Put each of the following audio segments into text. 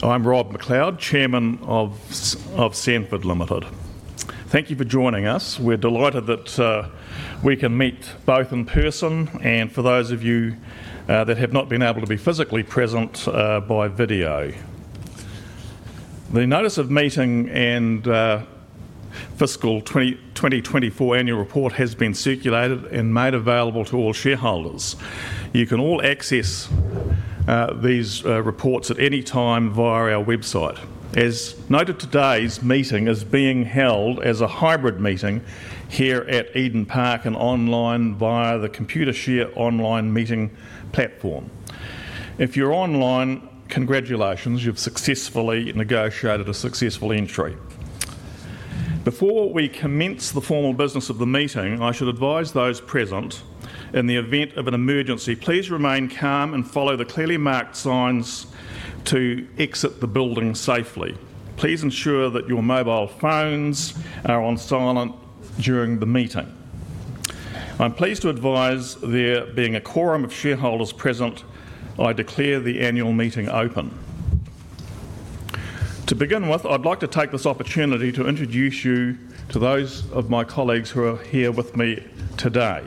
I'm Rob McLeod, Chairman of Sanford Ltd. Thank you for joining us. We're delighted that we can meet both in person and for those of you that have not been able to be physically present by video. The Notice of Meeting and Fiscal 2024 Annual Report has been circulated and made available to all shareholders. You can all access these reports at any time via our website. As noted, today's meeting is being held as a hybrid meeting here at Eden Park and online via the Computershare Online Meeting platform. If you're online, congratulations. You've successfully negotiated a successful entry. Before we commence the formal business of the meeting, I should advise those present, in the event of an emergency, please remain calm and follow the clearly marked signs to exit the building safely. Please ensure that your mobile phones are on silent during the meeting. I'm pleased to advise that, being a quorum of shareholders present, I declare the annual meeting open. To begin with, I'd like to take this opportunity to introduce you to those of my colleagues who are here with me today.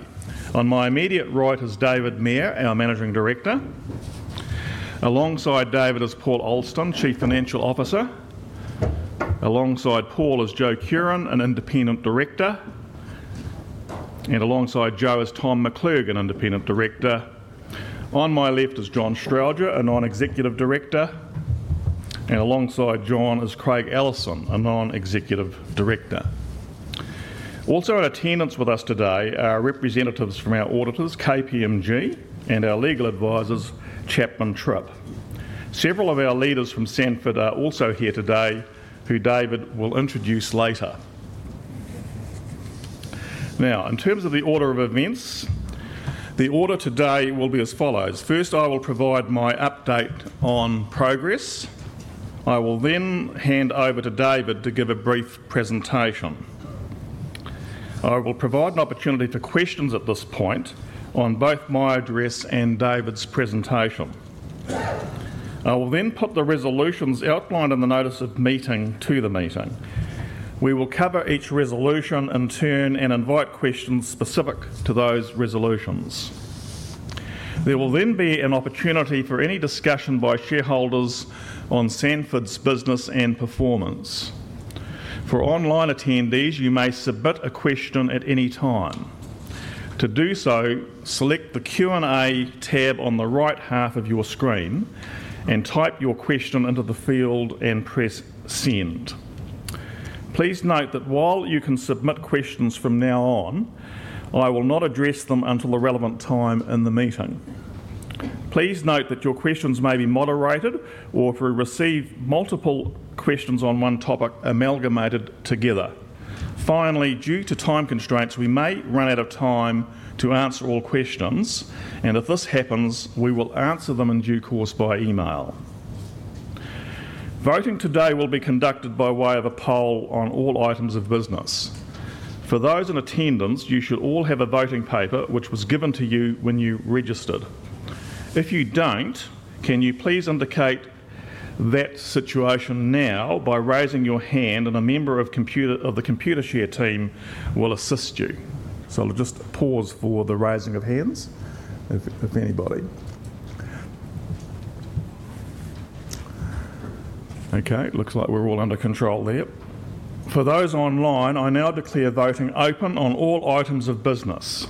On my immediate right is David Mair, our Managing Director. Alongside David is Paul Alston, Chief Financial Officer. Alongside Paul is Joanne Curran, an Independent Director. And alongside Joanne is Tom McClurg, an Independent Director. On my left is John Strowger, a Non-Executive Director. And alongside John is Craig Ellison, a Non-Executive Director. Also in attendance with us today are representatives from our auditors, KPMG, and our legal advisors, Chapman Tripp. Several of our leaders from Sanford are also here today, who David will introduce later. Now, in terms of the order of events, the order today will be as follows. First, I will provide my update on progress. I will then hand over to David to give a brief presentation. I will provide an opportunity for questions at this point on both my address and David's presentation. I will then put the resolutions outlined in the Notice of Meeting to the meeting. We will cover each resolution in turn and invite questions specific to those resolutions. There will then be an opportunity for any discussion by shareholders on Sanford's business and performance. For online attendees, you may submit a question at any time. To do so, select the Q&A tab on the right half of your screen and type your question into the field and press Send. Please note that while you can submit questions from now on, I will not address them until the relevant time in the meeting. Please note that your questions may be moderated or, if we receive multiple questions on one topic, amalgamated together. Finally, due to time constraints, we may run out of time to answer all questions, and if this happens, we will answer them in due course by email. Voting today will be conducted by way of a poll on all items of business. For those in attendance, you should all have a voting paper, which was given to you when you registered. If you don't, can you please indicate that situation now by raising your hand, and a member of the Computershare team will assist you. So I'll just pause for the raising of hands, if anybody. Okay, looks like we're all under control there. For those online, I now declare voting open on all items of business.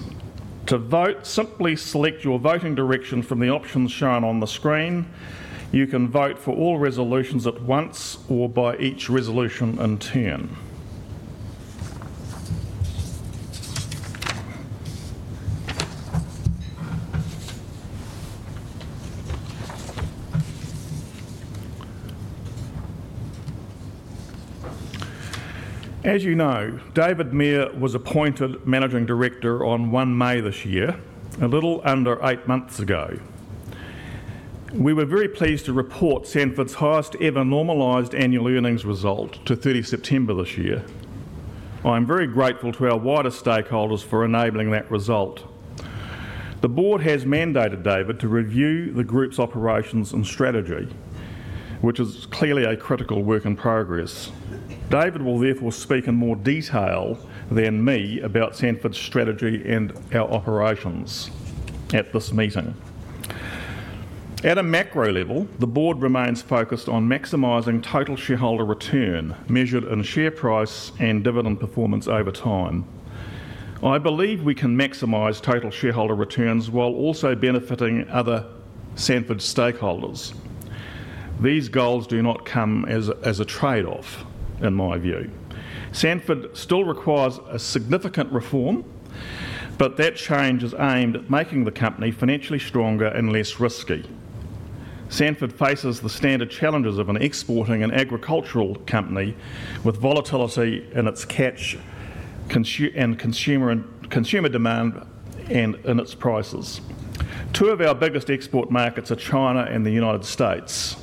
To vote, simply select your voting direction from the options shown on the screen. You can vote for all resolutions at once or by each resolution in turn. As you know, David Mair was appointed Managing Director on 1 May this year, a little under eight months ago. We were very pleased to report Sanford's highest ever normalized annual earnings result to 30 September this year. I'm very grateful to our wider stakeholders for enabling that result. The board has mandated David to review the group's operations and strategy, which is clearly a critical work in progress. David will therefore speak in more detail than me about Sanford's strategy and our operations at this meeting. At a macro level, the board remains focused on maximizing total shareholder return measured in share price and dividend performance over time. I believe we can maximize total shareholder returns while also benefiting other Sanford stakeholders. These goals do not come as a trade-off, in my view. Sanford still requires a significant reform, but that change is aimed at making the company financially stronger and less risky. Sanford faces the standard challenges of an exporting and agricultural company with volatility in its catch and consumer demand and in its prices. Two of our biggest export markets are China and the United States,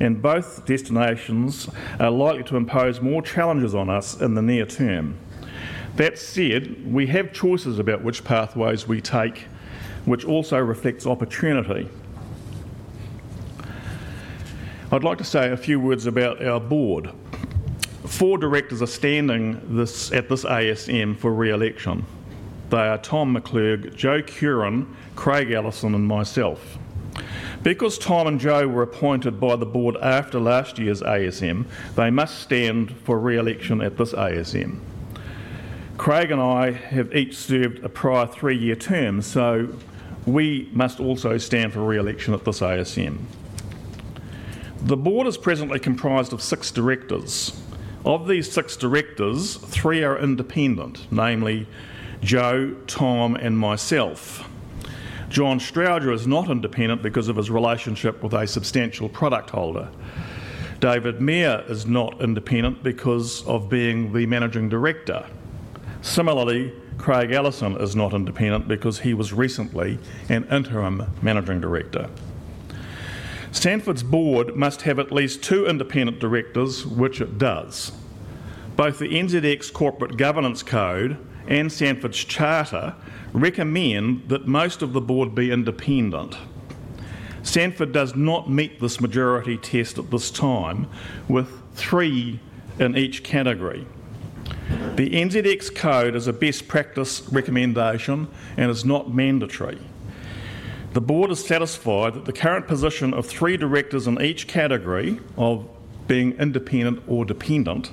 and both destinations are likely to impose more challenges on us in the near term. That said, we have choices about which pathways we take, which also reflects opportunity. I'd like to say a few words about our board. Four directors are standing at this ASM for re-election. They are Tom McClurg, Joanne Curran, Craig Ellison, and myself. Because Tom and Jo were appointed by the board after last year's ASM, they must stand for re-election at this ASM. Craig and I have each served a prior three-year term, so we must also stand for re-election at this ASM. The board is presently comprised of six directors. Of these six directors, three are independent, namely Jo, Tom, and myself. John Strowger is not independent because of his relationship with a substantial product holder. David Mair is not independent because of being the Managing Director. Similarly, Craig Ellison is not independent because he was recently an interim Managing Director. Sanford's board must have at least two independent directors, which it does. Both the NZX Corporate Governance Code and Sanford's Charter recommend that most of the board be independent. Sanford does not meet this majority test at this time, with three in each category. The NZX Code is a best practice recommendation and is not mandatory. The board is satisfied that the current position of three directors in each category of being independent or dependent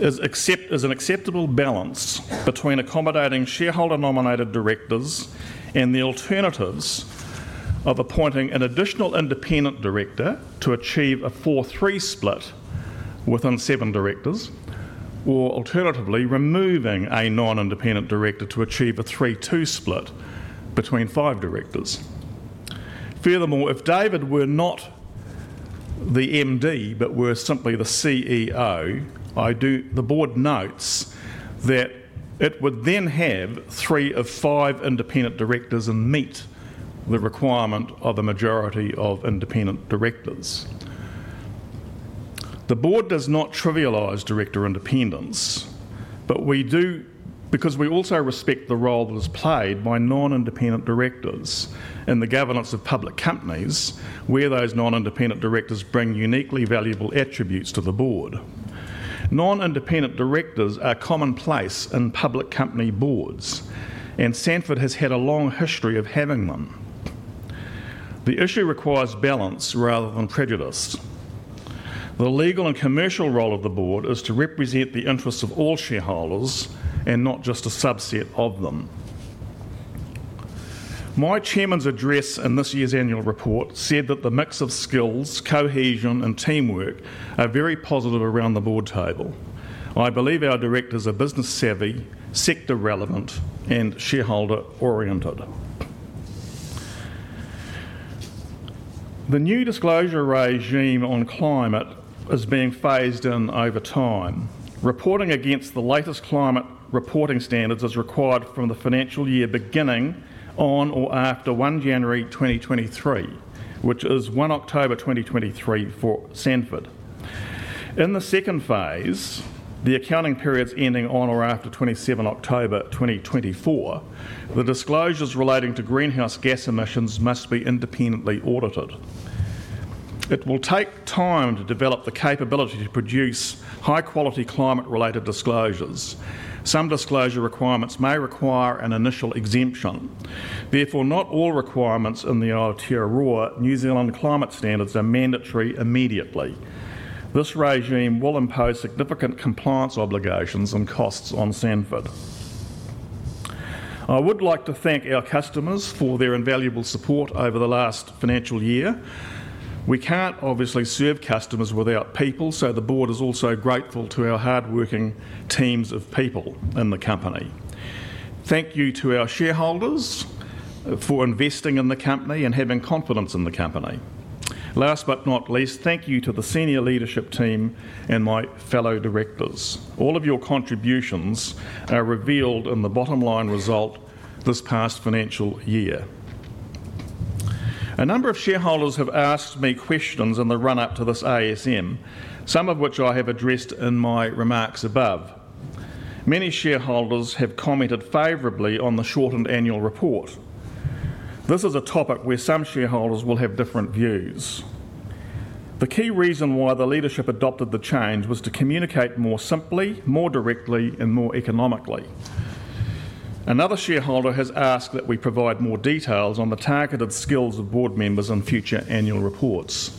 is an acceptable balance between accommodating shareholder-nominated directors and the alternatives of appointing an additional independent director to achieve a four-three split within seven directors, or alternatively, removing a non-independent director to achieve a three-two split between five directors. Furthermore, if David were not the MD but were simply the CEO, the board notes that it would then have three of five independent directors and meet the requirement of a majority of independent directors. The board does not trivialize director independence, but we do because we also respect the role that is played by non-independent directors in the governance of public companies where those non-independent directors bring uniquely valuable attributes to the board. Non-independent directors are commonplace in public company boards, and Sanford has had a long history of having them. The issue requires balance rather than prejudice. The legal and commercial role of the board is to represent the interests of all shareholders and not just a subset of them. My chairman's address in this year's annual report said that the mix of skills, cohesion, and teamwork are very positive around the board table. I believe our directors are business-savvy, sector-relevant, and shareholder-oriented. The new disclosure regime on climate is being phased in over time. Reporting against the latest climate reporting standards is required from the financial year beginning on or after 1 January 2023, which is 1 October 2023 for Sanford. In the second phase, the accounting periods ending on or after 27 October 2024, the disclosures relating to greenhouse gas emissions must be independently audited. It will take time to develop the capability to produce high-quality climate-related disclosures. Some disclosure requirements may require an initial exemption. Therefore, not all requirements in the Aotearoa New Zealand Climate Standards are mandatory immediately. This regime will impose significant compliance obligations and costs on Sanford. I would like to thank our customers for their invaluable support over the last financial year. We can't obviously serve customers without people, so the board is also grateful to our hardworking teams of people in the company. Thank you to our shareholders for investing in the company and having confidence in the company. Last but not least, thank you to the senior leadership team and my fellow directors. All of your contributions are revealed in the bottom line result this past financial year. A number of shareholders have asked me questions in the run-up to this ASM, some of which I have addressed in my remarks above. Many shareholders have commented favorably on the shortened annual report. This is a topic where some shareholders will have different views. The key reason why the leadership adopted the change was to communicate more simply, more directly, and more economically. Another shareholder has asked that we provide more details on the targeted skills of board members in future annual reports.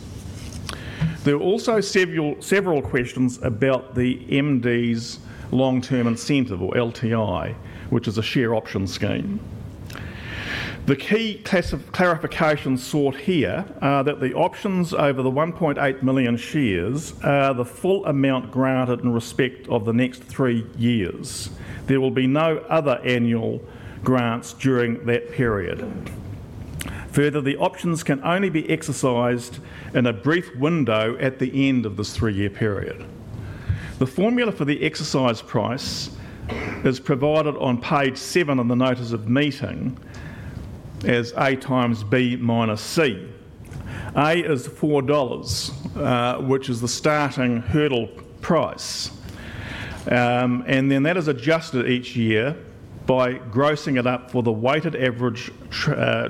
There are also several questions about the MD's long-term incentive, or LTI, which is a share option scheme. The key clarifications sought here are that the options over the 1.8 million shares are the full amount granted in respect of the next three years. There will be no other annual grants during that period. Further, the options can only be exercised in a brief window at the end of this three-year period. The formula for the exercise price is provided on page seven of the notice of meeting as A times B minus C. A is 4 dollars, which is the starting hurdle price, and then that is adjusted each year by grossing it up for the weighted average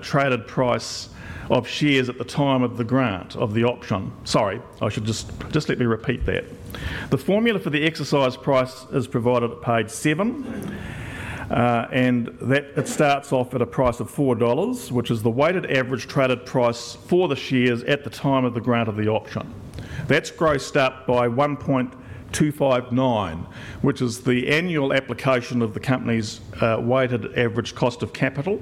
traded price of shares at the time of the grant of the option. Sorry, I should just let me repeat that. The formula for the exercise price is provided at page seven, and it starts off at a price of 4 dollars, which is the weighted average traded price for the shares at the time of the grant of the option. That's grossed up by 1.259, which is the annual application of the company's weighted average cost of capital,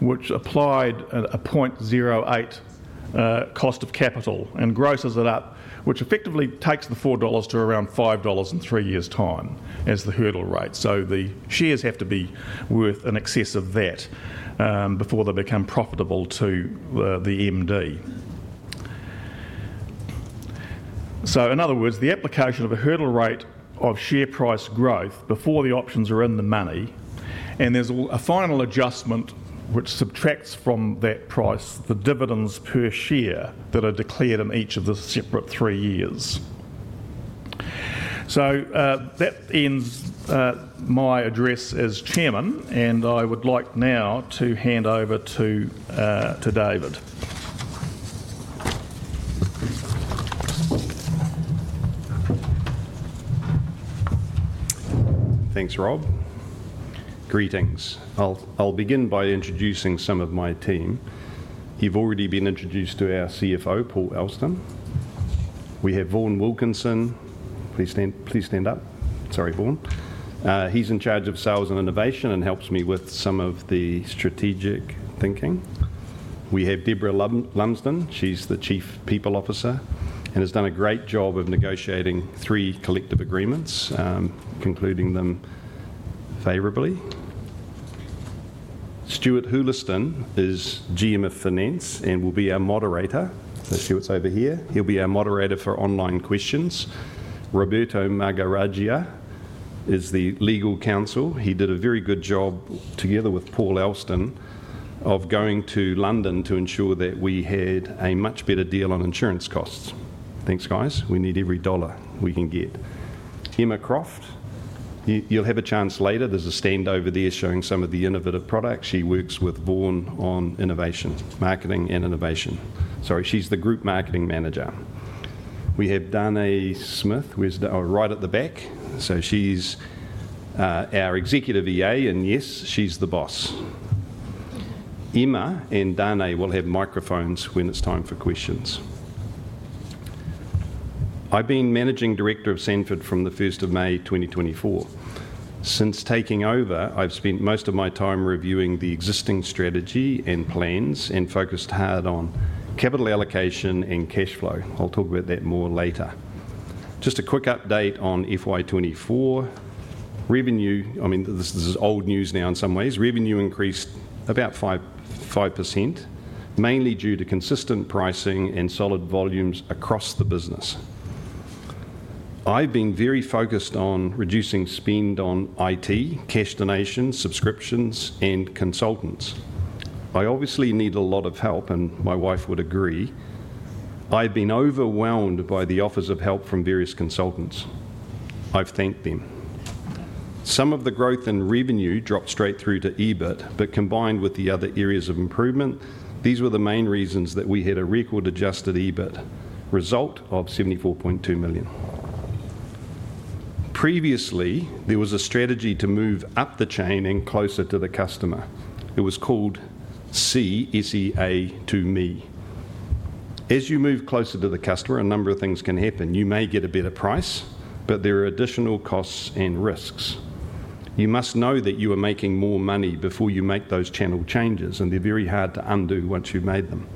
which applied a 0.08 cost of capital and grosses it up, which effectively takes the 4 dollars to around 5 dollars in three years' time as the hurdle rate. So the shares have to be worth in excess of that before they become profitable to the MD. So, in other words, the application of a hurdle rate of share price growth before the options are in the money, and there's a final adjustment which subtracts from that price the dividends per share that are declared in each of the separate three years. So that ends my address as Chairman, and I would like now to hand over to David. Thanks, Rob. Greetings. I'll begin by introducing some of my team. You've already been introduced to our CFO, Paul Alston. We have Vaughan Wilkinson. Please stand up. Sorry, Vaughan. He's in charge of sales and innovation and helps me with some of the strategic thinking. We have Debra Lumsden. She's the Chief People Officer and has done a great job of negotiating three collective agreements, concluding them favorably. Stuart Hurlestone is GM of Finance and will be our moderator. Let's see what's over here. He'll be our moderator for online questions. Roberto Magaraggia is the Legal Counsel. He did a very good job, together with Paul Alston, of going to London to ensure that we had a much better deal on insurance costs. Thanks, guys. We need every dollar we can get. Emma Croft, you'll have a chance later. There's a stand over there showing some of the innovative products. She works with Vaughan on innovation, marketing, and innovation. Sorry, she's the group marketing manager. We have Danae Smith, who is right at the back. So she's our executive EA, and yes, she's the boss. Emma and Danae will have microphones when it's time for questions. I've been Managing Director of Sanford from the 1st of May 2024. Since taking over, I've spent most of my time reviewing the existing strategy and plans and focused hard on capital allocation and cash flow. I'll talk about that more later. Just a quick update on FY24. Revenue, I mean, this is old news now in some ways. Revenue increased about 5%, mainly due to consistent pricing and solid volumes across the business. I've been very focused on reducing spend on IT, cash donations, subscriptions, and consultants. I obviously need a lot of help, and my wife would agree. I've been overwhelmed by the offers of help from various consultants. I've thanked them. Some of the growth in revenue dropped straight through to EBIT, but combined with the other areas of improvement, these were the main reasons that we had a record-adjusted EBIT result of NZD 74.2 million. Previously, there was a strategy to move up the chain and closer to the customer. It was called Sea to Me. As you move closer to the customer, a number of things can happen. You may get a better price, but there are additional costs and risks. You must know that you are making more money before you make those channel changes, and they're very hard to undo once you've made them.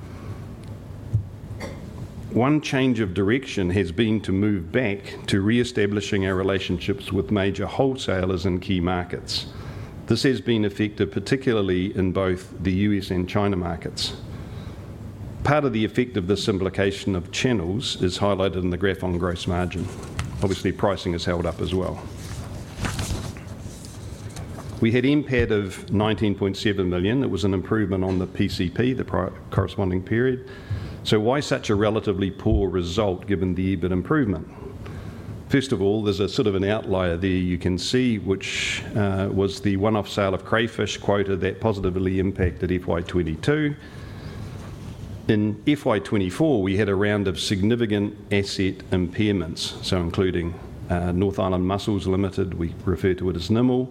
One change of direction has been to move back to re-establishing our relationships with major wholesalers in key markets. This has been effective, particularly in both the U.S. and China markets. Part of the effect of this implementation of channels is highlighted in the graph on gross margin. Obviously, pricing is held up as well. We had impact of 19.7 million. It was an improvement on the PCP, the corresponding period. So why such a relatively poor result given the EBIT improvement? First of all, there's a sort of an outlier there you can see, which was the one-off sale of crayfish quota that positively impacted FY 2022. In FY 2024, we had a round of significant asset impairments, so including North Island Mussels Limited, we refer to it as NIML,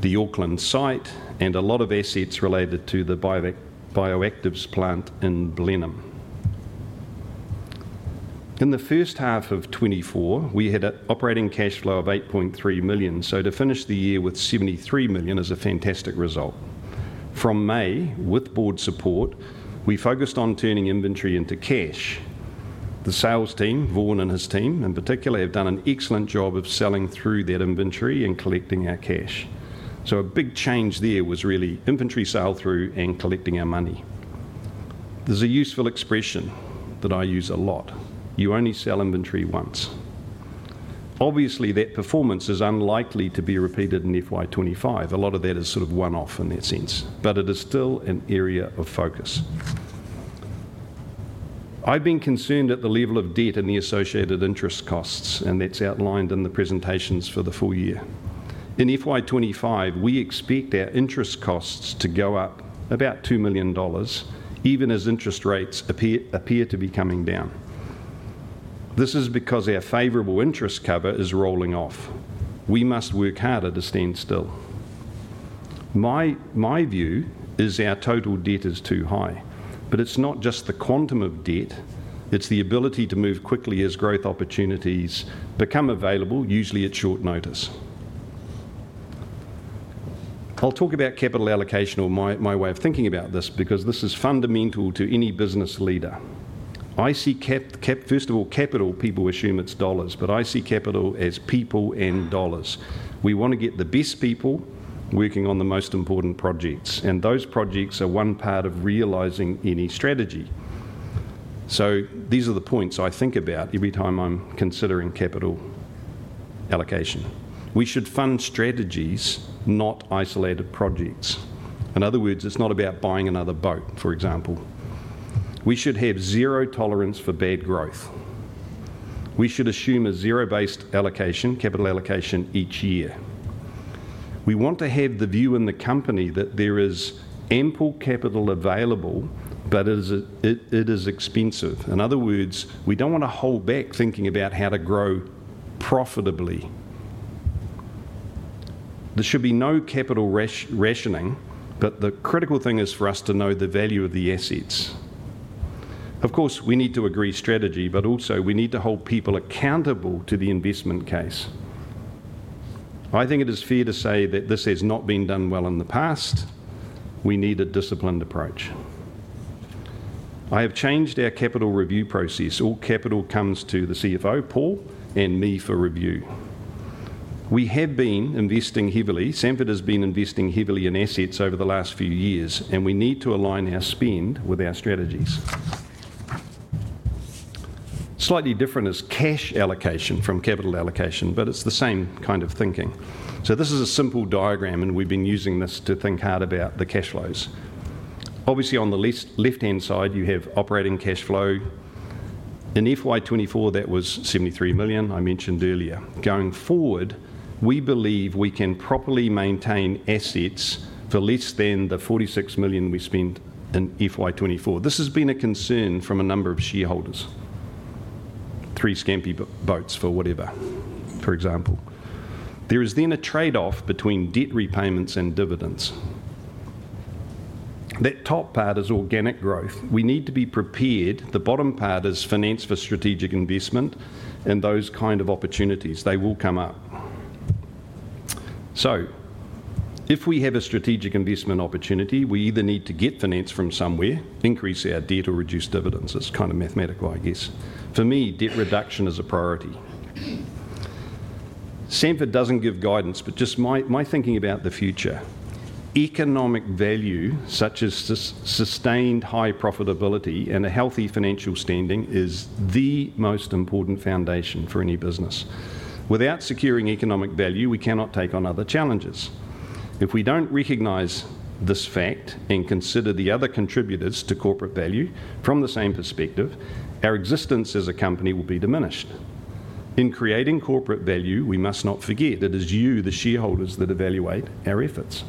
the Auckland site, and a lot of assets related to the bioactives plant in Blenheim. In the first half of 2024, we had an operating cash flow of 8.3 million. To finish the year with 73 million is a fantastic result. From May, with board support, we focused on turning inventory into cash. The sales team, Vaughan and his team, in particular, have done an excellent job of selling through that inventory and collecting our cash. So a big change there was really inventory sale through and collecting our money. There's a useful expression that I use a lot. You only sell inventory once. Obviously, that performance is unlikely to be repeated in FY25. A lot of that is sort of one-off in that sense, but it is still an area of focus. I've been concerned at the level of debt and the associated interest costs, and that's outlined in the presentations for the full year. In FY25, we expect our interest costs to go up about 2 million dollars, even as interest rates appear to be coming down. This is because our favorable interest cover is rolling off. We must work harder to stand still. My view is our total debt is too high, but it's not just the quantum of debt. It's the ability to move quickly as growth opportunities become available, usually at short notice. I'll talk about capital allocation or my way of thinking about this because this is fundamental to any business leader. First of all, capital people assume it's dollars, but I see capital as people and dollars. We want to get the best people working on the most important projects, and those projects are one part of realizing any strategy. So these are the points I think about every time I'm considering capital allocation. We should fund strategies, not isolated projects. In other words, it's not about buying another boat, for example. We should have zero tolerance for bad growth. We should assume a zero-based allocation, capital allocation each year. We want to have the view in the company that there is ample capital available, but it is expensive. In other words, we don't want to hold back thinking about how to grow profitably. There should be no capital rationing, but the critical thing is for us to know the value of the assets. Of course, we need to agree strategy, but also we need to hold people accountable to the investment case. I think it is fair to say that this has not been done well in the past. We need a disciplined approach. I have changed our capital review process. All capital comes to the CFO, Paul, and me for review. We have been investing heavily. Sanford has been investing heavily in assets over the last few years, and we need to align our spend with our strategies. Slightly different is cash allocation from capital allocation, but it's the same kind of thinking. So this is a simple diagram, and we've been using this to think hard about the cash flows. Obviously, on the left-hand side, you have operating cash flow. In FY24, that was 73 million I mentioned earlier. Going forward, we believe we can properly maintain assets for less than the 46 million we spent in FY24. This has been a concern from a number of shareholders. Three scampi boats for whatever, for example. There is then a trade-off between debt repayments and dividends. That top part is organic growth. We need to be prepared. The bottom part is finance for strategic investment and those kind of opportunities. They will come up. So if we have a strategic investment opportunity, we either need to get finance from somewhere, increase our debt, or reduce dividends. It's kind of mathematical, I guess. For me, debt reduction is a priority. Sanford doesn't give guidance, but just my thinking about the future. Economic value, such as sustained high profitability and a healthy financial standing, is the most important foundation for any business. Without securing economic value, we cannot take on other challenges. If we don't recognize this fact and consider the other contributors to corporate value from the same perspective, our existence as a company will be diminished. In creating corporate value, we must not forget it is you, the shareholders, that evaluate our efforts.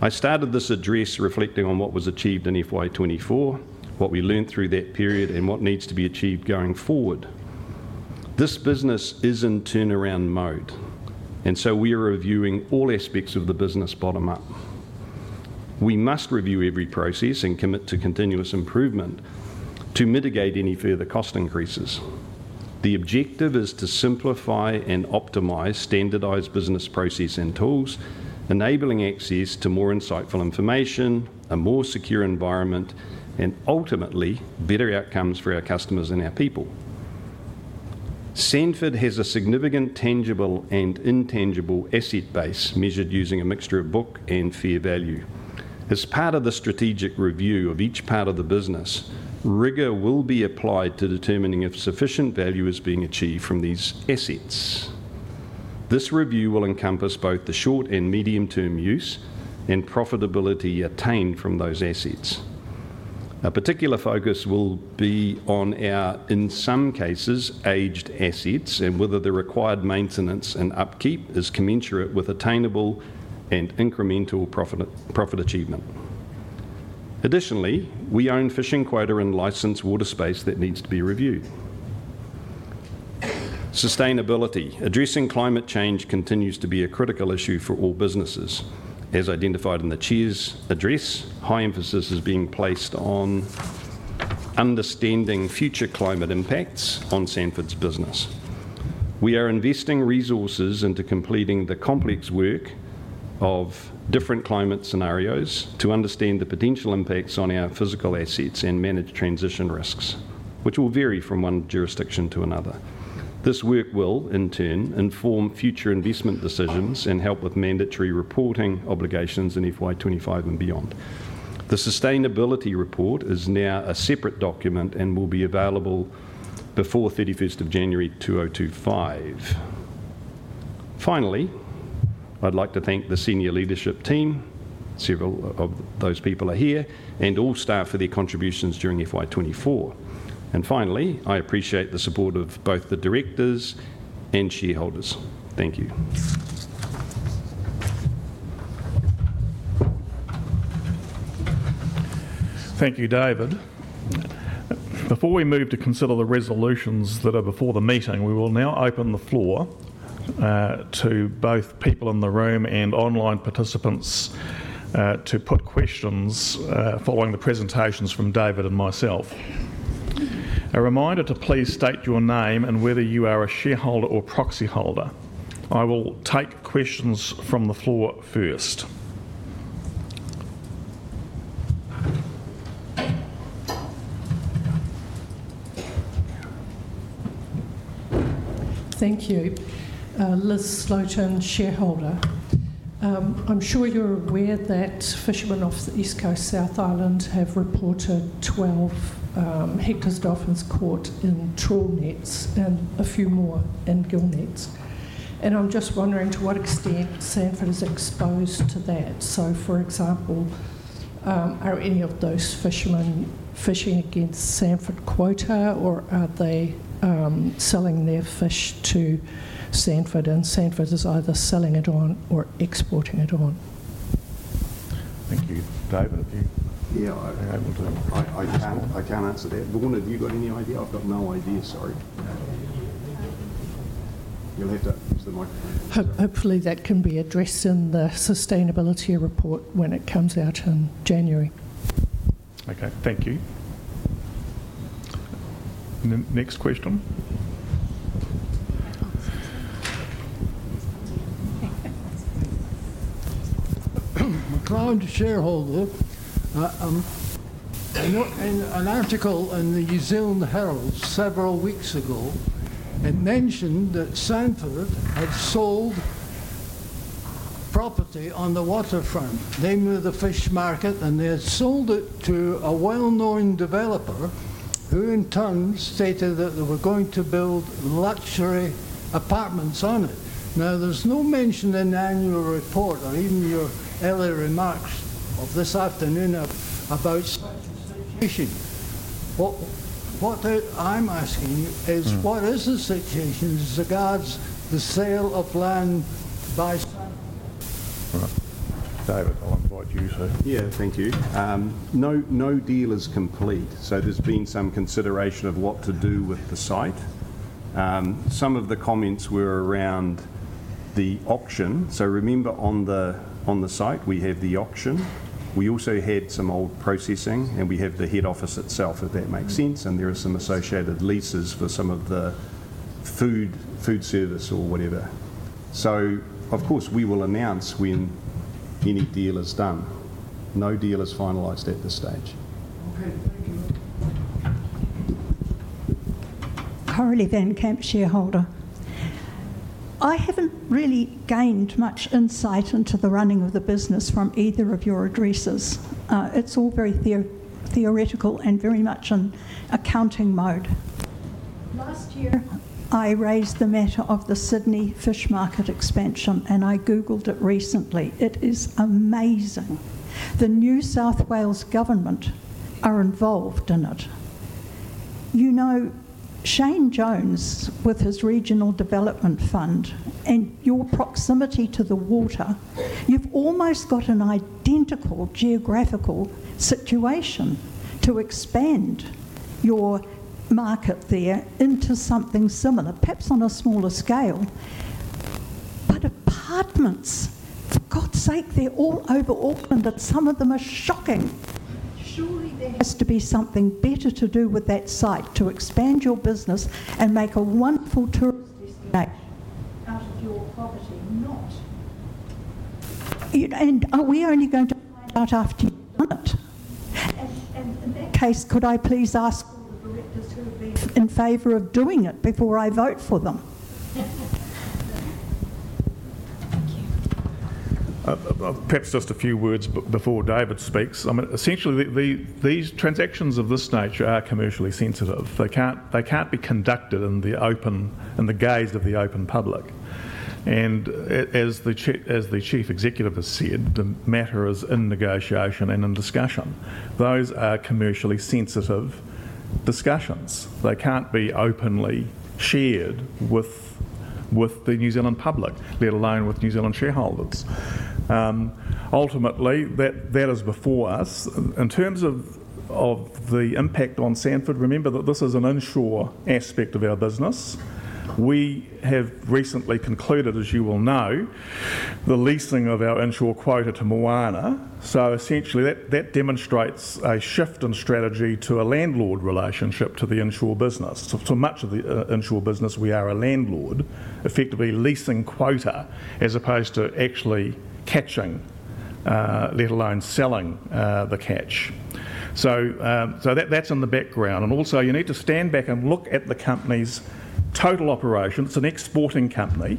I started this address reflecting on what was achieved in FY24, what we learned through that period, and what needs to be achieved going forward. This business is in turnaround mode, and so we are reviewing all aspects of the business bottom up. We must review every process and commit to continuous improvement to mitigate any further cost increases. The objective is to simplify and optimize standardized business processes and tools, enabling access to more insightful information, a more secure environment, and ultimately better outcomes for our customers and our people. Sanford has a significant tangible and intangible asset base measured using a mixture of book and fair value. As part of the strategic review of each part of the business, rigor will be applied to determining if sufficient value is being achieved from these assets. This review will encompass both the short and medium-term use and profitability attained from those assets. A particular focus will be on our, in some cases, aged assets and whether the required maintenance and upkeep is commensurate with attainable and incremental profit achievement. Additionally, we own fishing quota and licensed water space that needs to be reviewed. Sustainability. Addressing climate change continues to be a critical issue for all businesses. As identified in the chair's address, high emphasis is being placed on understanding future climate impacts on Sanford's business. We are investing resources into completing the complex work of different climate scenarios to understand the potential impacts on our physical assets and manage transition risks, which will vary from one jurisdiction to another. This work will, in turn, inform future investment decisions and help with mandatory reporting obligations in FY25 and beyond. The Sustainability Report is now a separate document and will be available before 31st of January 2025. Finally, I'd like to thank the senior leadership team. Several of those people are here and all staff for their contributions during FY24, and finally, I appreciate the support of both the directors and shareholders. Thank you. Thank you, David. Before we move to consider the resolutions that are before the meeting, we will now open the floor to both people in the room and online participants to put questions following the presentations from David and myself. A reminder to please state your name and whether you are a shareholder or proxy holder. I will take questions from the floor first. Thank you. Liz Slooten, shareholder. I'm sure you're aware that fishermen off the East Coast, South Island have reported 12 hectares of dolphins caught in trawl nets and a few more in gill nets. And I'm just wondering to what extent Sanford is exposed to that. So, for example, are any of those fishermen fishing against Sanford quota, or are they selling their fish to Sanford, and Sanford is either selling it on or exporting it on? Thank you. David, if you... Yeah, I'm able to. I can answer that. But one of you have you got any idea? I've got no idea, sorry. You'll have to use the microphone. Hopefully, that can be addressed in the Sustainability Report when it comes out in January. Okay. Thank you. Next question. [McLaren], shareholder, an article in the New Zealand Herald several weeks ago, it mentioned that Sanford had sold property on the waterfront, namely the fish market, and they had sold it to a well-known developer who, in turn, stated that they were going to build luxury apartments on it. Now, there's no mention in the annual report or even your earlier remarks of this afternoon about such a situation. What I'm asking is, what is the situation regarding the sale of land by Sanford? Right. David, I'll invite you, sir. Yeah, thank you. No deal is complete. So there's been some consideration of what to do with the site. Some of the comments were around the auction. So remember, on the site, we have the auction. We also had some old processing, and we have the head office itself, if that makes sense, and there are some associated leases for some of the food service or whatever. So, of course, we will announce when any deal is done. No deal is finalized at this stage. Coralie Van Camp, shareholder. I haven't really gained much insight into the running of the business from either of your addresses. It's all very theoretical and very much in accounting mode. Last year, I raised the matter of the Sydney Fish Market Expansion, and I Googled it recently. It is amazing. The New South Wales Government are involved in it. Shane Jones, with his regional development fund and your proximity to the water, you've almost got an identical geographical situation to expand your market there into something similar, perhaps on a smaller scale. But apartments, for God's sake, they're all over Auckland, and some of them are shocking. Surely, there has to be something better to do with that site to expand your business and make a wonderful tourist destination out of your property, not, and are we only going to find out after you've done it, and in that case, could I please ask all the directors who have been in favor of doing it before I vote for them? Thank you. Perhaps just a few words before David speaks. Essentially, these transactions of this nature are commercially sensitive. They can't be conducted in the gaze of the open public. As the Chief Executive has said, the matter is in negotiation and in discussion. Those are commercially sensitive discussions. They can't be openly shared with the New Zealand public, let alone with New Zealand shareholders. Ultimately, that is before us. In terms of the impact on Sanford, remember that this is an inshore aspect of our business. We have recently concluded, as you will know, the leasing of our inshore quota to Moana. So essentially, that demonstrates a shift in strategy to a landlord relationship to the inshore business. So for much of the inshore business, we are a landlord, effectively leasing quota as opposed to actually catching, let alone selling the catch. So that's in the background. And also, you need to stand back and look at the company's total operation. It's an exporting company.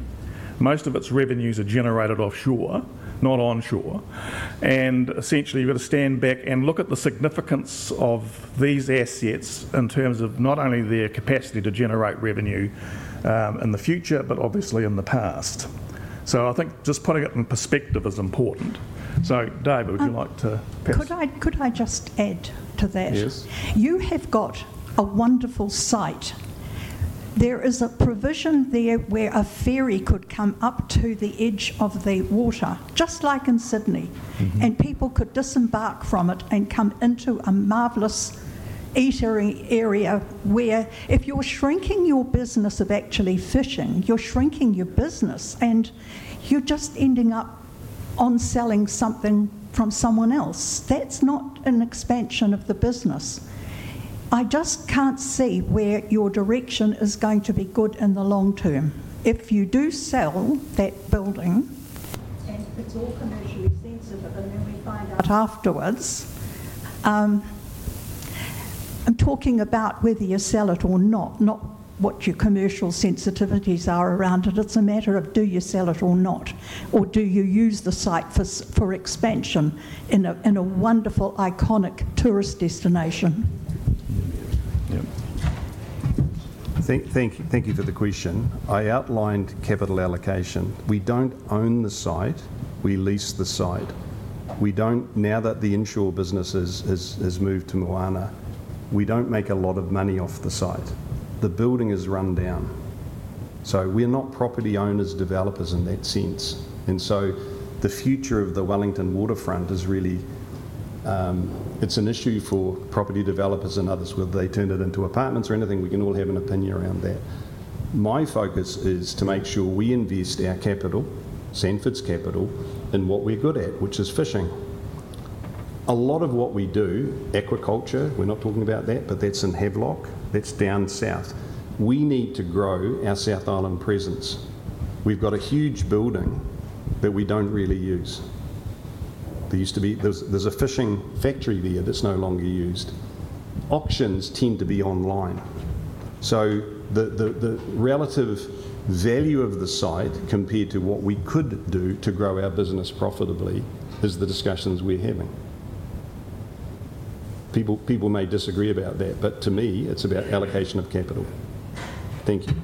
Most of its revenues are generated offshore, not onshore. And essentially, you've got to stand back and look at the significance of these assets in terms of not only their capacity to generate revenue in the future, but obviously in the past. So I think just putting it in perspective is important. So David, would you like to perhaps. Could I just add to that? Yes. You have got a wonderful site. There is a provision there where a ferry could come up to the edge of the water, just like in Sydney, and people could disembark from it and come into a marvelous eatery area where if you're shrinking your business of actually fishing, you're shrinking your business, and you're just ending up on selling something from someone else. That's not an expansion of the business. I just can't see where your direction is going to be good in the long term. If you do sell that building, it's all commercially sensitive, and then we find out afterwards. I'm talking about whether you sell it or not, not what your commercial sensitivities are around it. It's a matter of do you sell it or not, or do you use the site for expansion in a wonderful, iconic tourist destination. Yeah. Thank you for the question. I outlined capital allocation. We don't own the site. We lease the site. Now that the inshore business has moved to Moana, we don't make a lot of money off the site. The building has run down. So we're not property owners, developers in that sense. And so the future of the Wellington waterfront is really it's an issue for property developers and others. Whether they turn it into apartments or anything, we can all have an opinion around that. My focus is to make sure we invest our capital, Sanford's capital, in what we're good at, which is fishing. A lot of what we do, agriculture, we're not talking about that, but that's in Havelock. That's down south. We need to grow our South Island presence. We've got a huge building that we don't really use. There used to be a fishing factory there that's no longer used. Auctions tend to be online. So the relative value of the site compared to what we could do to grow our business profitably is the discussions we're having. People may disagree about that, but to me, it's about allocation of capital. Thank you.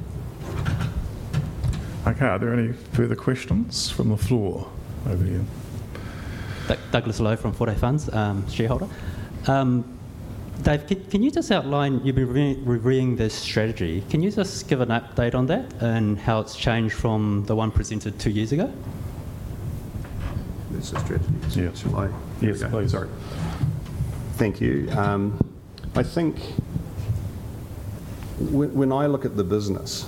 Okay. Are there any further questions from the floor over here? Douglas Lau from Forte Funds, shareholder. Dave, can you just outline you've been reviewing this strategy? Can you just give an update on that and how it's changed from the one presented two years ago? It's a strategy. Yes. Sorry. Thank you. I think when I look at the business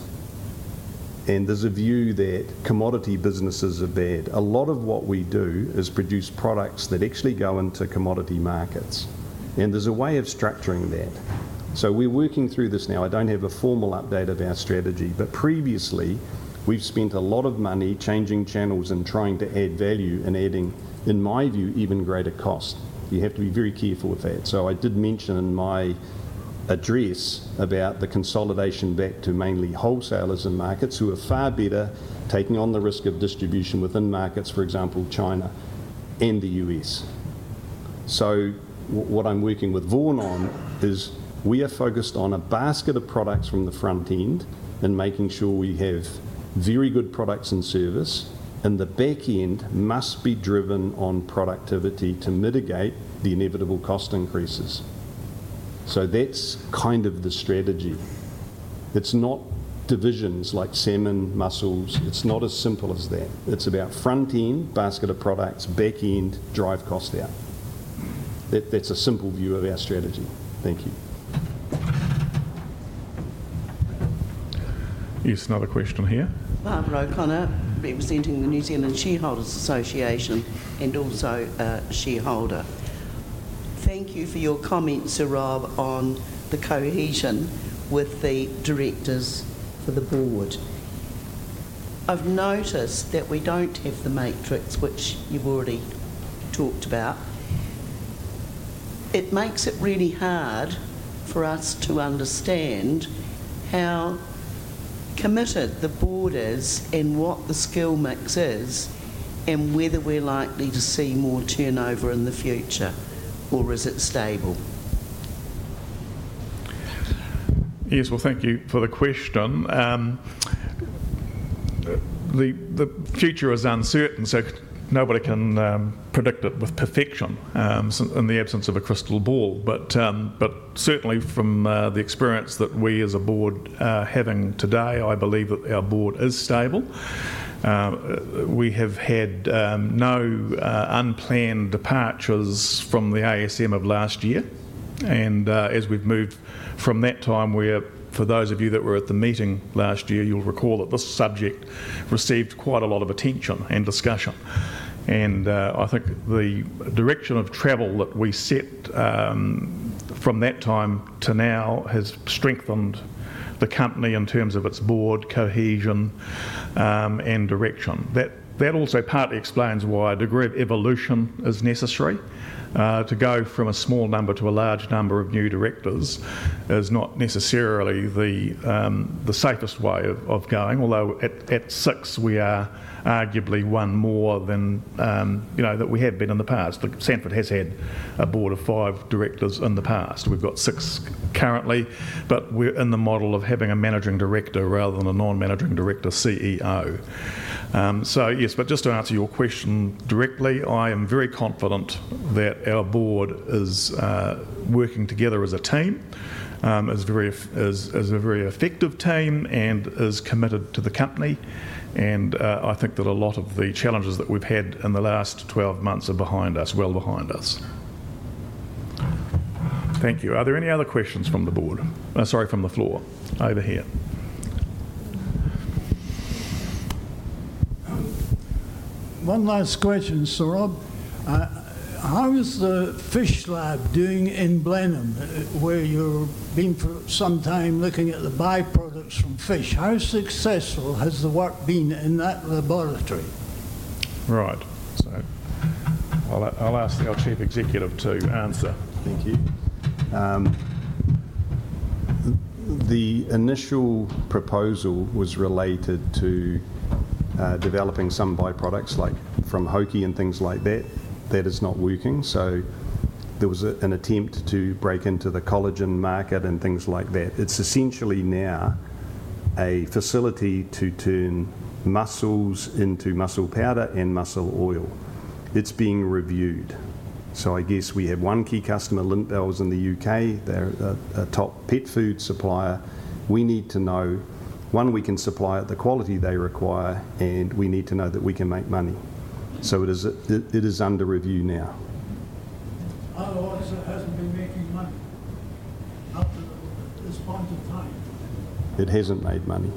and there's a view that commodity businesses are bad, a lot of what we do is produce products that actually go into commodity markets, and there's a way of structuring that, so we're working through this now. I don't have a formal update of our strategy, but previously, we've spent a lot of money changing channels and trying to add value and adding, in my view, even greater cost. You have to be very careful with that, so I did mention in my address about the consolidation back to mainly wholesalers and markets who are far better taking on the risk of distribution within markets, for example, China and the U.S. So what I'm working with Vaughan on is we are focused on a basket of products from the front end and making sure we have very good products and service, and the back end must be driven on productivity to mitigate the inevitable cost increases. So that's kind of the strategy. It's not divisions like salmon, mussels. It's not as simple as that. It's about front end, basket of products, back end, drive cost out. That's a simple view of our strategy. Thank you. Yes, another question here. Rob O'Connor, representing the New Zealand Shareholders Association and also a shareholder. Thank you for your comments, Rob, on the cohesion with the directors for the board. I've noticed that we don't have the matrix, which you've already talked about. It makes it really hard for us to understand how committed the board is and what the skill mix is and whether we're likely to see more turnover in the future, or is it stable? Yes, well, thank you for the question. The future is uncertain, so nobody can predict it with perfection in the absence of a crystal ball. But certainly, from the experience that we as a board are having today, I believe that our board is stable. We have had no unplanned departures from the ASM of last year. And as we've moved from that time, for those of you that were at the meeting last year, you'll recall that this subject received quite a lot of attention and discussion. And I think the direction of travel that we set from that time to now has strengthened the company in terms of its board, cohesion, and direction. That also partly explains why a degree of evolution is necessary. To go from a small number to a large number of new directors is not necessarily the safest way of going, although at six, we are arguably one more than that we have been in the past. Sanford has had a board of five directors in the past. We've got six currently, but we're in the model of having a managing director rather than a non-managing director, CEO. So yes, but just to answer your question directly, I am very confident that our board is working together as a team, is a very effective team, and is committed to the company. And I think that a lot of the challenges that we've had in the last 12 months are behind us, well behind us. Thank you. Are there any other questions from the board? Sorry, from the floor over here? One last question, So Rob. How is the fish lab doing in Blenheim, where you've been for some time looking at the byproducts from fish? How successful has the work been in that laboratory? Right. So I'll ask our Chief Executive to answer. Thank you. The initial proposal was related to developing some byproducts from hoki and things like that. That is not working. So there was an attempt to break into the collagen market and things like that. It's essentially now a facility to turn mussels into mussel powder and mussel oil. It's being reviewed. So I guess we have one key customer, Lintbells, in the U.K. They're a top pet food supplier. We need to know, one, we can supply at the quality they require, and we need to know that we can make money. So it is under review now. How long has it been making money up to this point in time? It hasn't made money.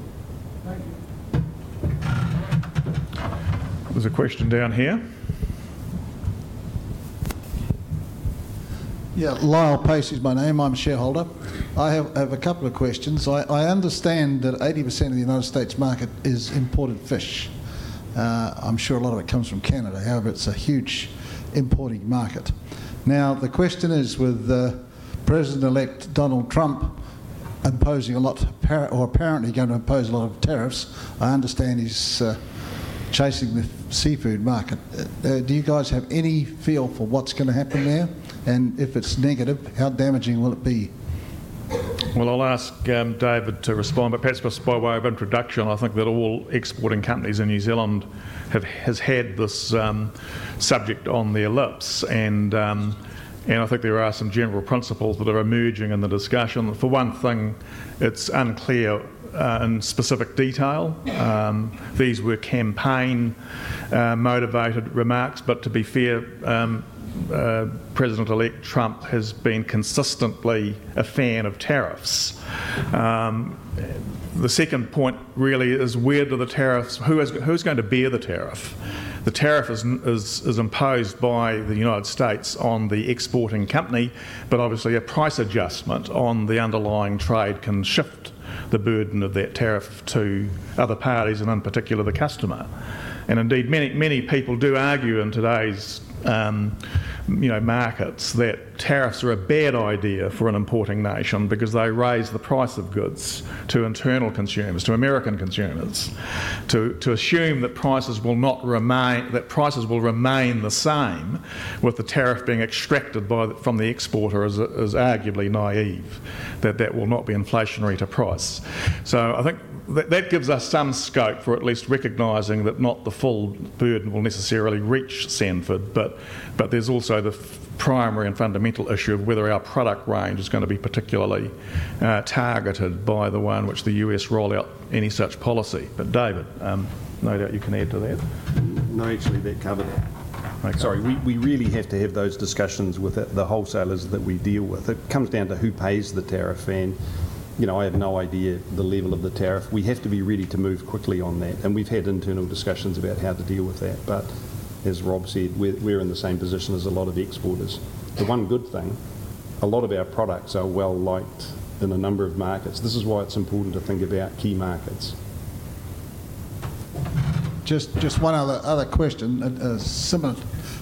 Thank you. There's a question down here. Yeah. Lyle Paice is my name. I'm a shareholder. I have a couple of questions. I understand that 80% of the United States market is imported fish. I'm sure a lot of it comes from Canada. However, it's a huge importing market. Now, the question is, with President-elect Donald Trump imposing a lot or apparently going to impose a lot of tariffs, I understand he's chasing the seafood market. Do you guys have any feel for what's going to happen there? And if it's negative, how damaging will it be? Well, I'll ask David to respond, but perhaps just by way of introduction, I think that all exporting companies in New Zealand have had this subject on the lips. And I think there are some general principles that are emerging in the discussion. For one thing, it's unclear in specific detail. These were campaign-motivated remarks, but to be fair, President-elect Trump has been consistently a fan of tariffs. The second point really is, where do the tariffs? Who's going to bear the tariff? The tariff is imposed by the United States on the exporting company, but obviously, a price adjustment on the underlying trade can shift the burden of that tariff to other parties and, in particular, the customer. And indeed, many people do argue in today's markets that tariffs are a bad idea for an importing nation because they raise the price of goods to internal consumers, to American consumers. To assume that prices will remain the same with the tariff being extracted from the exporter is arguably naive, that that will not be inflationary to price. So I think that gives us some scope for at least recognizing that not the full burden will necessarily reach Sanford, but there's also the primary and fundamental issue of whether our product range is going to be particularly targeted by the way in which the U.S. roll out any such policy. But David, no doubt you can add to that. No, actually, that covered it. Sorry. We really have to have those discussions with the wholesalers that we deal with. It comes down to who pays the tariff, and I have no idea the level of the tariff. We have to be ready to move quickly on that. And we've had internal discussions about how to deal with that. But as Rob said, we're in the same position as a lot of exporters. The one good thing, a lot of our products are well-liked in a number of markets. This is why it's important to think about key markets. Just one other question, a similar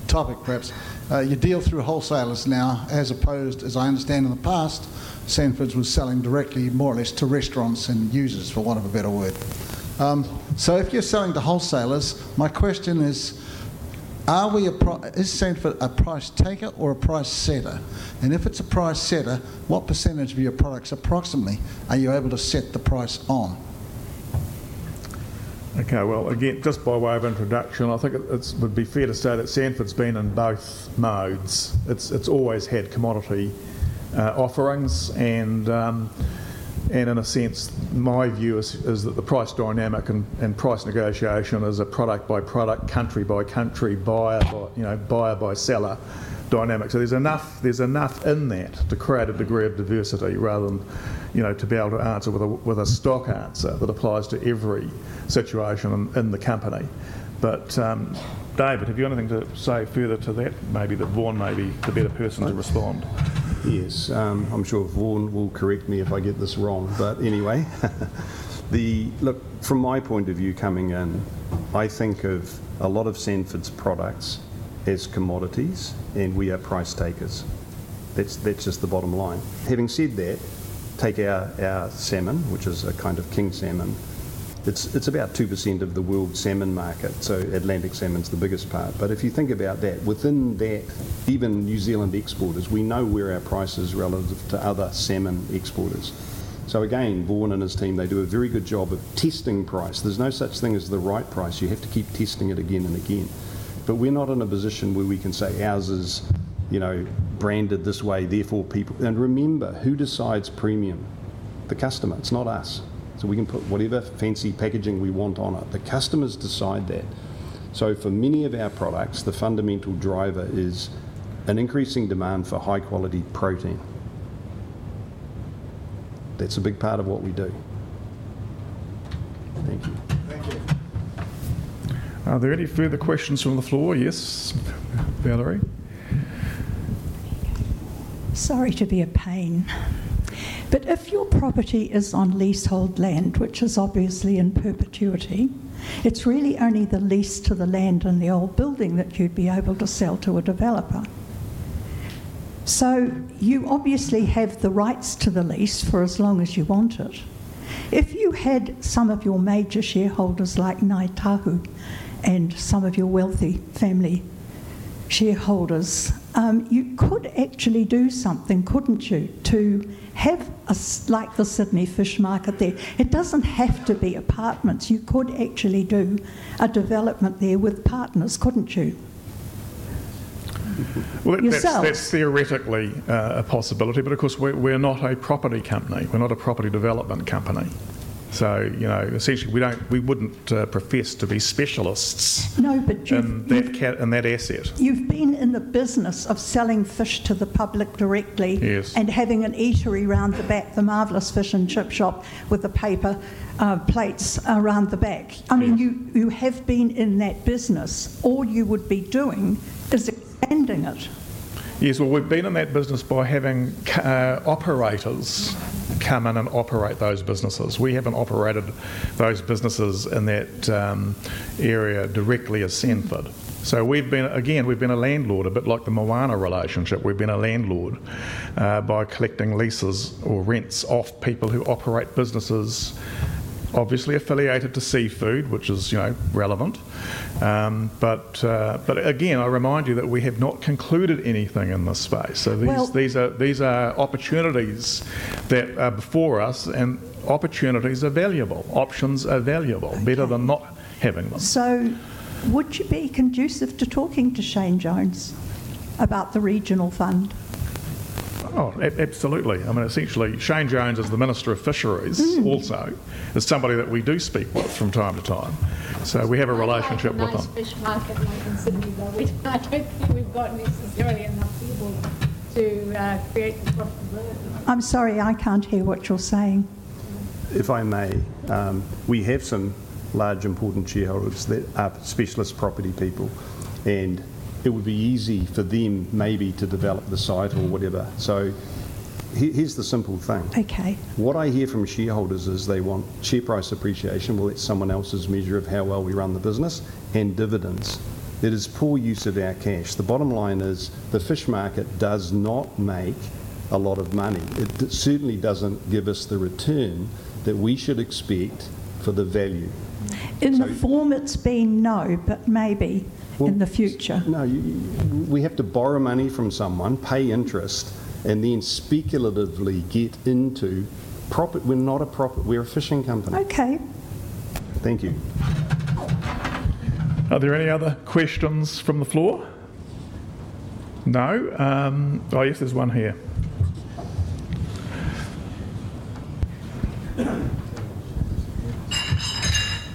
topic perhaps. You deal through wholesalers now, as opposed, as I understand, in the past, Sanford was selling directly more or less to restaurants and users, for want of a better word. So if you're selling to wholesalers, my question is, is Sanford a price taker or a price setter? And if it's a price setter, what percentage of your products approximately are you able to set the price on? Okay. Well, again, just by way of introduction, I think it would be fair to say that Sanford's been in both modes. It's always had commodity offerings. And in a sense, my view is that the price dynamic and price negotiation is a product-by-product, country-by-country, buyer-by-seller dynamic. So there's enough in that to create a degree of diversity rather than to be able to answer with a stock answer that applies to every situation in the company. But David, have you got anything to say further to that? Maybe that Vaughan may be the better person to respond. Yes. I'm sure Vaughan will correct me if I get this wrong. But anyway, look, from my point of view coming in, I think of a lot of Sanford's products as commodities, and we are price takers. That's just the bottom line. Having said that, take our salmon, which is a kind of king salmon. It's about 2% of the world salmon market. So Atlantic salmon's the biggest part. But if you think about that, within that, even New Zealand exporters, we know where our price is relative to other salmon exporters. So again, Vaughan and his team, they do a very good job of testing price. There's no such thing as the right price. You have to keep testing it again and again. But we're not in a position where we can say ours is branded this way, therefore people and remember, who decides premium? The customer. It's not us. So we can put whatever fancy packaging we want on it. The customers decide that. So for many of our products, the fundamental driver is an increasing demand for high-quality protein. That's a big part of what we do. Thank you. Thank you. Are there any further questions from the floor? Yes, Coralie. Sorry to be a pain, but if your property is on leasehold land, which is obviously in perpetuity, it's really only the lease to the land and the old building that you'd be able to sell to a developer. So you obviously have the rights to the lease for as long as you want it. If you had some of your major shareholders like Ngāi Tahu and some of your wealthy family shareholders, you could actually do something, couldn't you, to have like the Sydney Fish Market there? It doesn't have to be apartments. You could actually do a development there with partners, couldn't you? Yourself. That's theoretically a possibility. But of course, we're not a property company. We're not a property development company. So essentially, we wouldn't profess to be specialists in that asset. No, but you've been in the business of selling fish to the public directly and having an eatery around the back, the Marvellous Fish and Chip Shop with the paper plates around the back. I mean, you have been in that business. All you would be doing is expanding it. Yes. Well, we've been in that business by having operators come in and operate those businesses. We haven't operated those businesses in that area directly as Sanford. So again, we've been a landlord, a bit like the Moana relationship. We've been a landlord by collecting leases or rents off people who operate businesses, obviously affiliated to seafood, which is relevant. But again, I remind you that we have not concluded anything in this space. So these are opportunities that are before us, and opportunities are valuable. Options are valuable. Better than not having them. So would you be conducive to talking to Shane Jones about the regional fund? Oh, absolutely. I mean, essentially, Shane Jones is the Minister of Fisheries also. He's somebody that we do speak with from time to time. So we have a relationship with him. I'm in the Fish Market and I consider you well. I don't think we've got necessarily enough people to create the possibility. I'm sorry. I can't hear what you're saying. If I may, we have some large important shareholders that are specialist property people, and it would be easy for them maybe to develop the site or whatever. So here's the simple thing. What I hear from shareholders is they want share price appreciation. Well, that's someone else's measure of how well we run the business and dividends. That is poor use of our cash. The bottom line is the fish market does not make a lot of money. It certainly doesn't give us the return that we should expect for the value. In the form it's been, no, but maybe in the future. No. We have to borrow money from someone, pay interest, and then speculatively get into we're not a property; we're a fishing company. Okay. Thank you. Are there any other questions from the floor? No. Oh, yes, there's one here.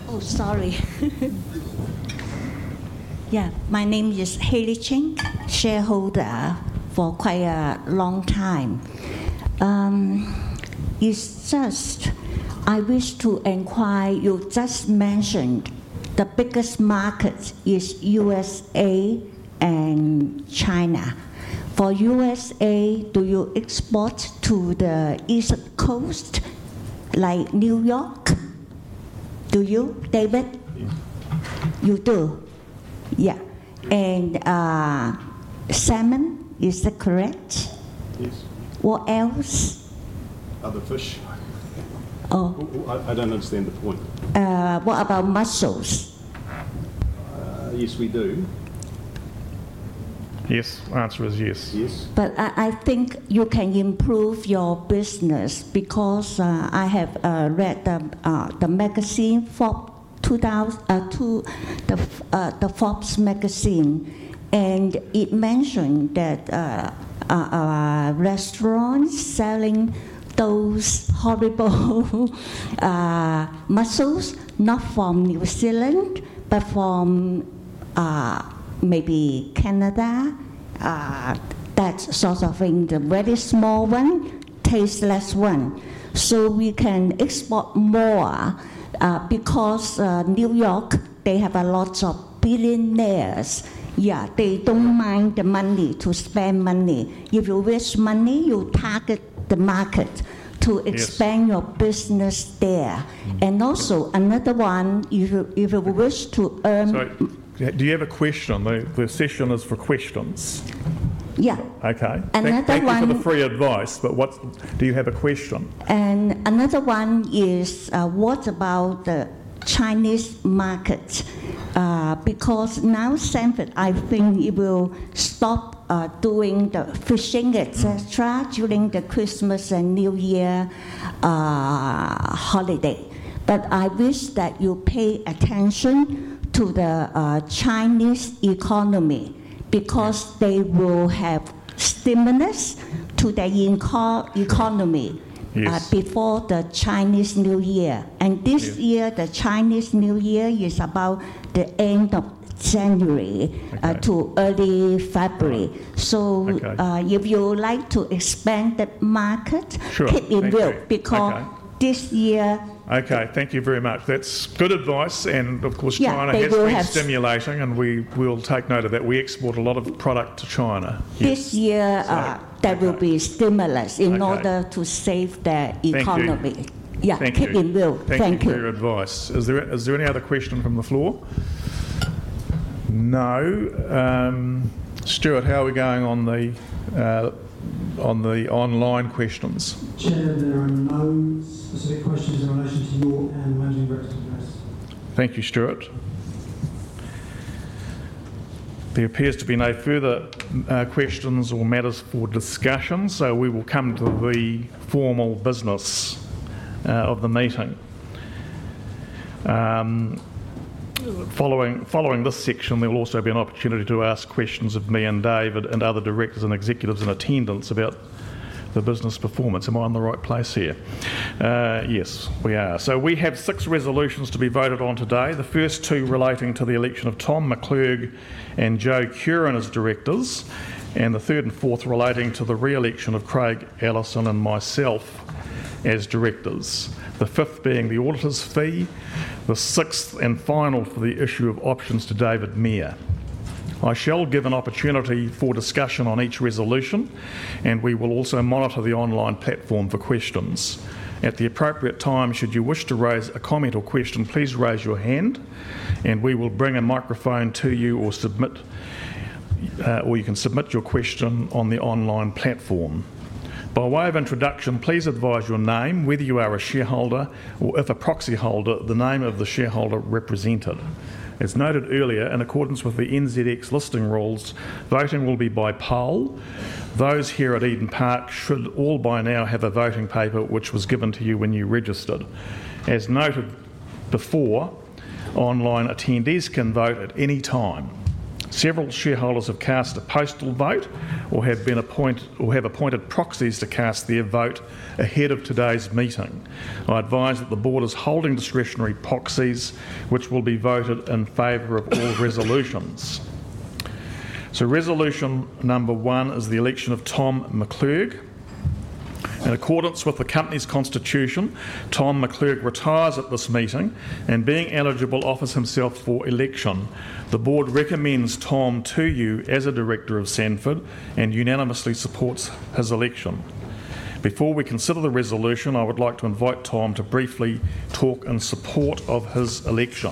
Oh, sorry. Yeah. My name is Hailey Cheng, shareholder for quite a long time. I wish to inquire, you just mentioned the biggest market is USA and China. For USA, do you export to the East Coast like New York? Do you, David? Yeah. You do. Yeah. And salmon, is that correct? Yes. What else? Other fish. I don't understand the point. What about mussels? Yes, we do. Yes. Answer is yes. But I think you can improve your business because I have read the magazine, the Forbes magazine, and it mentioned that restaurants selling those horrible mussels, not from New Zealand, but from maybe Canada, that sort of thing, the very small one, tasteless one. So we can export more because New York, they have a lot of billionaires. Yeah, they don't mind the money to spend money. If you waste money, you target the market to expand your business there. And also, another one, if you wish to earn. Do you have a question? The session is for questions. Yeah. Okay. Another one. I gave you some free advice, but do you have a question? And another one is, what about the Chinese market? Because now Sanford, I think it will stop doing the fishing, etc., during the Christmas and New Year holiday. But I wish that you pay attention to the Chinese economy because they will have stimulus to their economy before the Chinese New Year. And this year, the Chinese New Year is about the end of January to early February. So if you would like to expand that market, keep it real because this year. Okay. Thank you very much. That's good advice. And of course, China has been stimulating, and we will take note of that. We export a lot of product to China. This year, there will be stimulus in order to save their economy. Thank you. Yeah. Keep it real. Thank you. Thank you for your advice. Is there any other question from the floor? No. Stuart, how are we going on the online questions? Chair, there are no specific questions in relation to your and the Managing Director's address. Thank you, Stuart. There appears to be no further questions or matters for discussion, so we will come to the formal business of the meeting. Following this section, there will also be an opportunity to ask questions of me and David and other directors and executives in attendance about the business performance. Am I in the right place here? Yes, we are. So we have six resolutions to be voted on today. The first two relating to the election of Tom McClurg and Joanne Curran as directors, and the third and fourth relating to the re-election of Craig Ellison and myself as directors. The fifth being the auditor's fee. The sixth and final for the issue of options to David Mair. I shall give an opportunity for discussion on each resolution, and we will also monitor the online platform for questions. At the appropriate time, should you wish to raise a comment or question, please raise your hand, and we will bring a microphone to you or you can submit your question on the online platform. By way of introduction, please advise your name, whether you are a shareholder or if a proxy holder, the name of the shareholder represented. As noted earlier, in accordance with the NZX listing rules, voting will be by poll. Those here at Eden Park should all by now have a voting paper which was given to you when you registered. As noted before, online attendees can vote at any time. Several shareholders have cast a postal vote or have appointed proxies to cast their vote ahead of today's meeting. I advise that the board is holding discretionary proxies which will be voted in favour of all resolutions. So resolution number one is the election of Tom McClurg. In accordance with the company's constitution. Tom McClurg retires at this meeting and, being eligible, offers himself for election, the board recommends Tom to you as a director of Sanford and unanimously supports his election. Before we consider the resolution, I would like to invite Tom to briefly talk in support of his election.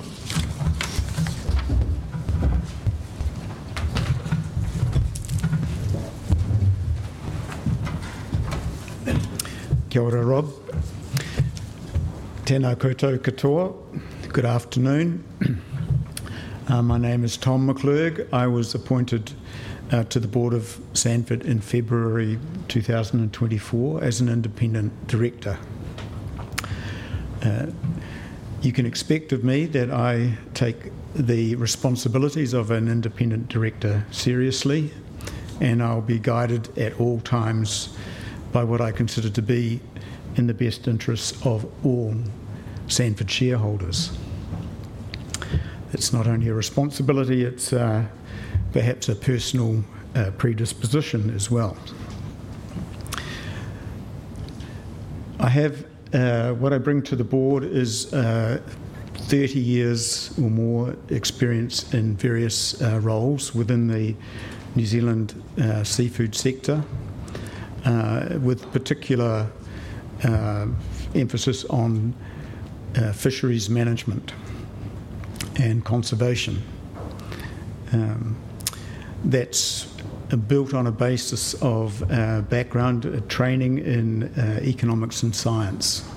Chairman Rob. Tēnā koutou katoa, good afternoon. My name is Tom McClurg. I was appointed to the board of Sanford in February 2024 as an independent director. You can expect of me that I take the responsibilities of an independent director seriously, and I'll be guided at all times by what I consider to be in the best interest of all Sanford shareholders. It's not only a responsibility. It's perhaps a personal predisposition as well. What I bring to the board is 30 years or more experience in various roles within the New Zealand seafood sector, with particular emphasis on fisheries management and conservation. That's built on a basis of background training in economics and science,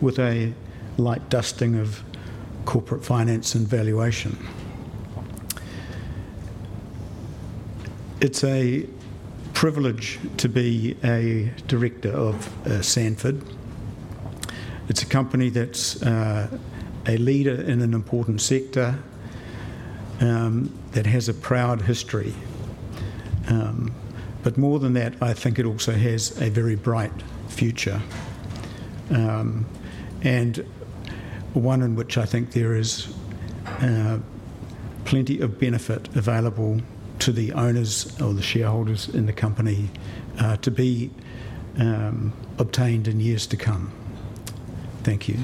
with a light dusting of corporate finance and valuation. It's a privilege to be a director of Sanford. It's a company that's a leader in an important sector that has a proud history. But more than that, I think it also has a very bright future and one in which I think there is plenty of benefit available to the owners or the shareholders in the company to be obtained in years to come. Thank you.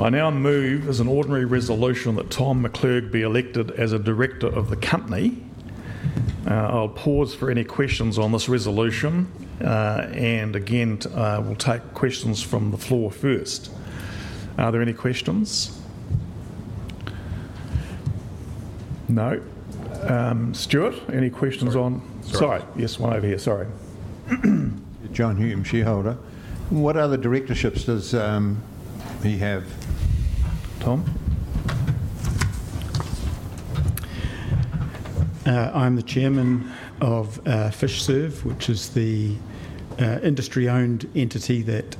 I now move, as an ordinary resolution, that Tom McClurg be elected as a director of the company. I'll pause for any questions on this resolution. We'll take questions from the floor first. Are there any questions? No. Stuart, any questions on? Yes, one over here. John Hume, Shareholder. What other directorships does he have, Tom? I'm the chairman of Fishserve, which is the industry-owned entity that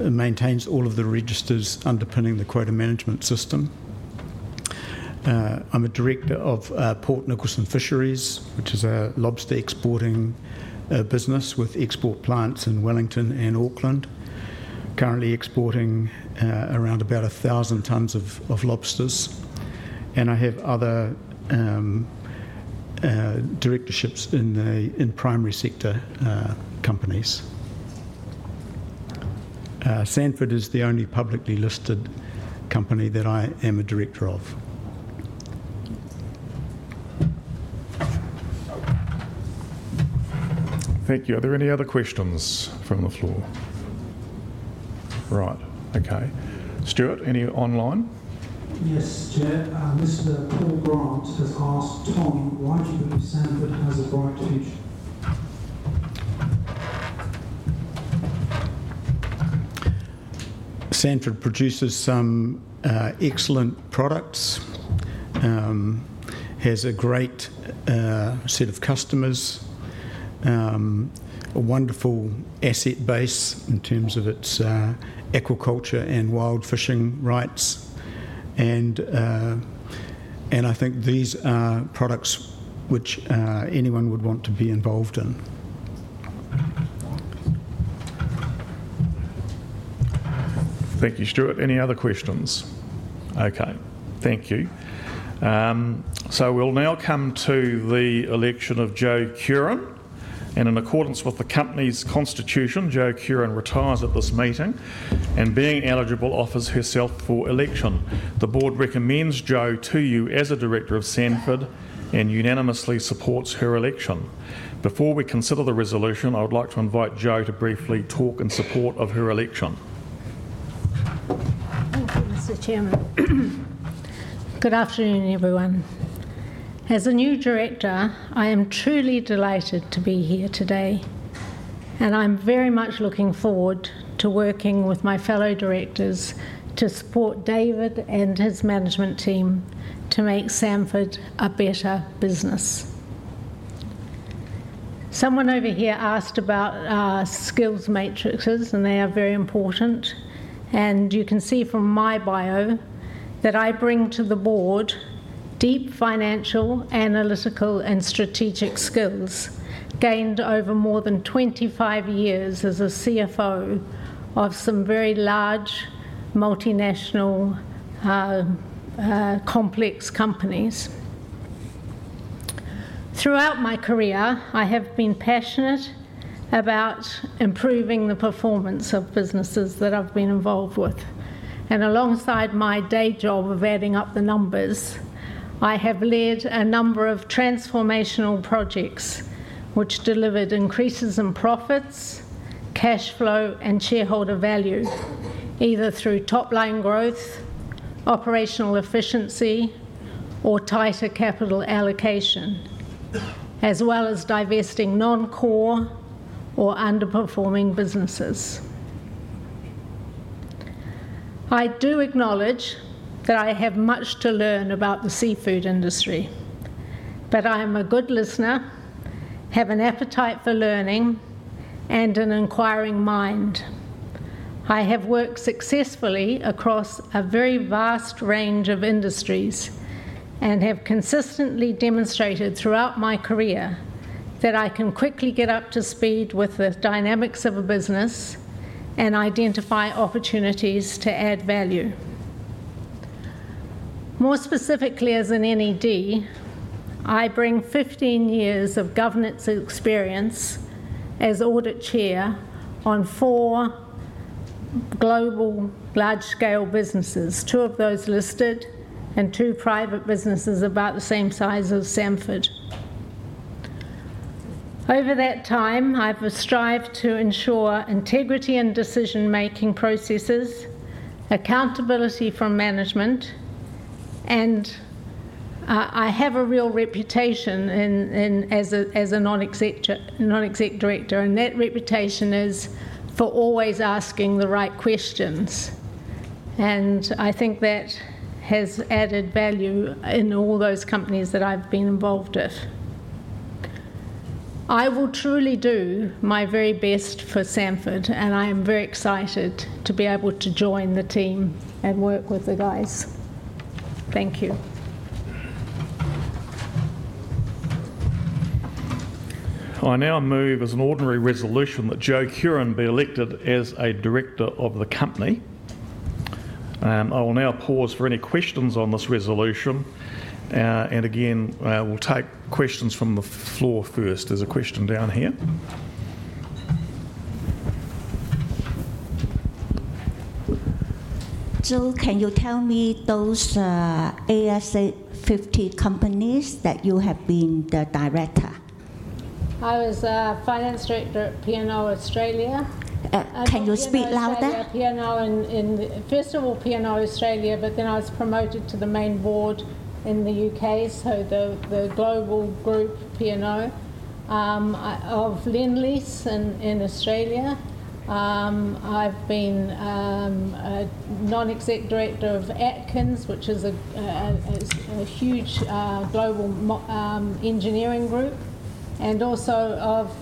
maintains all of the registers underpinning the Quota Management System. I'm a director of Port Nicholson Fisheries, which is a lobster exporting business with export plants in Wellington and Auckland, currently exporting around about 1,000 tons of lobsters. And I have other directorships in primary sector companies. Sanford is the only publicly listed company that I am a director of. Thank you. Are there any other questions from the floor? Right. Okay. Stuart, any online? Yes, Chair. Mr. Paul Grant has asked Tom why do you believe Sanford has a bright future. Sanford produces some excellent products, has a great set of customers, a wonderful asset base in terms of its aquaculture and wild fishing rights, and I think these are products which anyone would want to be involved in. Thank you, Stuart. Any other questions? Okay. Thank you. So we'll now come to the election of Jo Curran. And in accordance with the company's constitution, Jo Curran retires at this meeting and being eligible offers herself for election. The board recommends Jo to you as a director of Sanford and unanimously supports her election. Before we consider the resolution, I would like to invite Jo to briefly talk in support of her election. Thank you, Mr. Chairman. Good afternoon, everyone. As a new director, I am truly delighted to be here today. I'm very much looking forward to working with my fellow directors to support David and his management team to make Sanford a better business. Someone over here asked about skills matrices, and they are very important. You can see from my bio that I bring to the board deep financial, analytical, and strategic skills gained over more than 25 years as a CFO of some very large multinational complex companies. Throughout my career, I have been passionate about improving the performance of businesses that I've been involved with. Alongside my day job of adding up the numbers, I have led a number of transformational projects which delivered increases in profits, cash flow, and shareholder value, either through top-line growth, operational efficiency, or tighter capital allocation, as well as divesting non-core or underperforming businesses. I do acknowledge that I have much to learn about the seafood industry, but I am a good listener, have an appetite for learning, and an inquiring mind. I have worked successfully across a very vast range of industries and have consistently demonstrated throughout my career that I can quickly get up to speed with the dynamics of a business and identify opportunities to add value. More specifically, as an NED, I bring 15 years of governance experience as audit chair on four global large-scale businesses, two of those listed and two private businesses about the same size as Sanford. Over that time, I've strived to ensure integrity in decision-making processes, accountability from management, and I have a real reputation as a non-exec director, and that reputation is for always asking the right questions, and I think that has added value in all those companies that I've been involved with. I will truly do my very best for Sanford, and I am very excited to be able to join the team and work with the guys. Thank you. I now move, as an ordinary resolution, that Joanne Curran be elected as a director of the company. I will now pause for any questions on this resolution. And again, we'll take questions from the floor first. There's a question down here. Jo, can you tell me those ASX 50 companies that you have been the director? I was finance director at P&O Australia. Can you speak louder? First of all, P&O Australia, but then I was promoted to the main board in the U.K., so the global group P&O of Lendlease in Australia. I've been non-exec director of Atkins, which is a huge global engineering group, and also of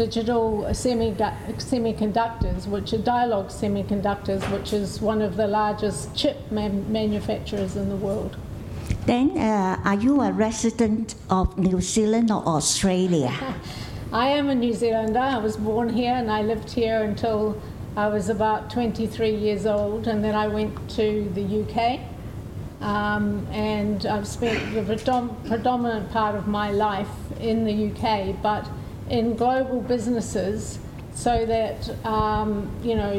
Dialog Semiconductor, which is one of the largest chip manufacturers in the world. Then, are you a resident of New Zealand or Australia? I am a New Zealander. I was born here, and I lived here until I was about 23 years old, and then I went to the U.K. I've spent the predominant part of my life in the U.K., but in global businesses, so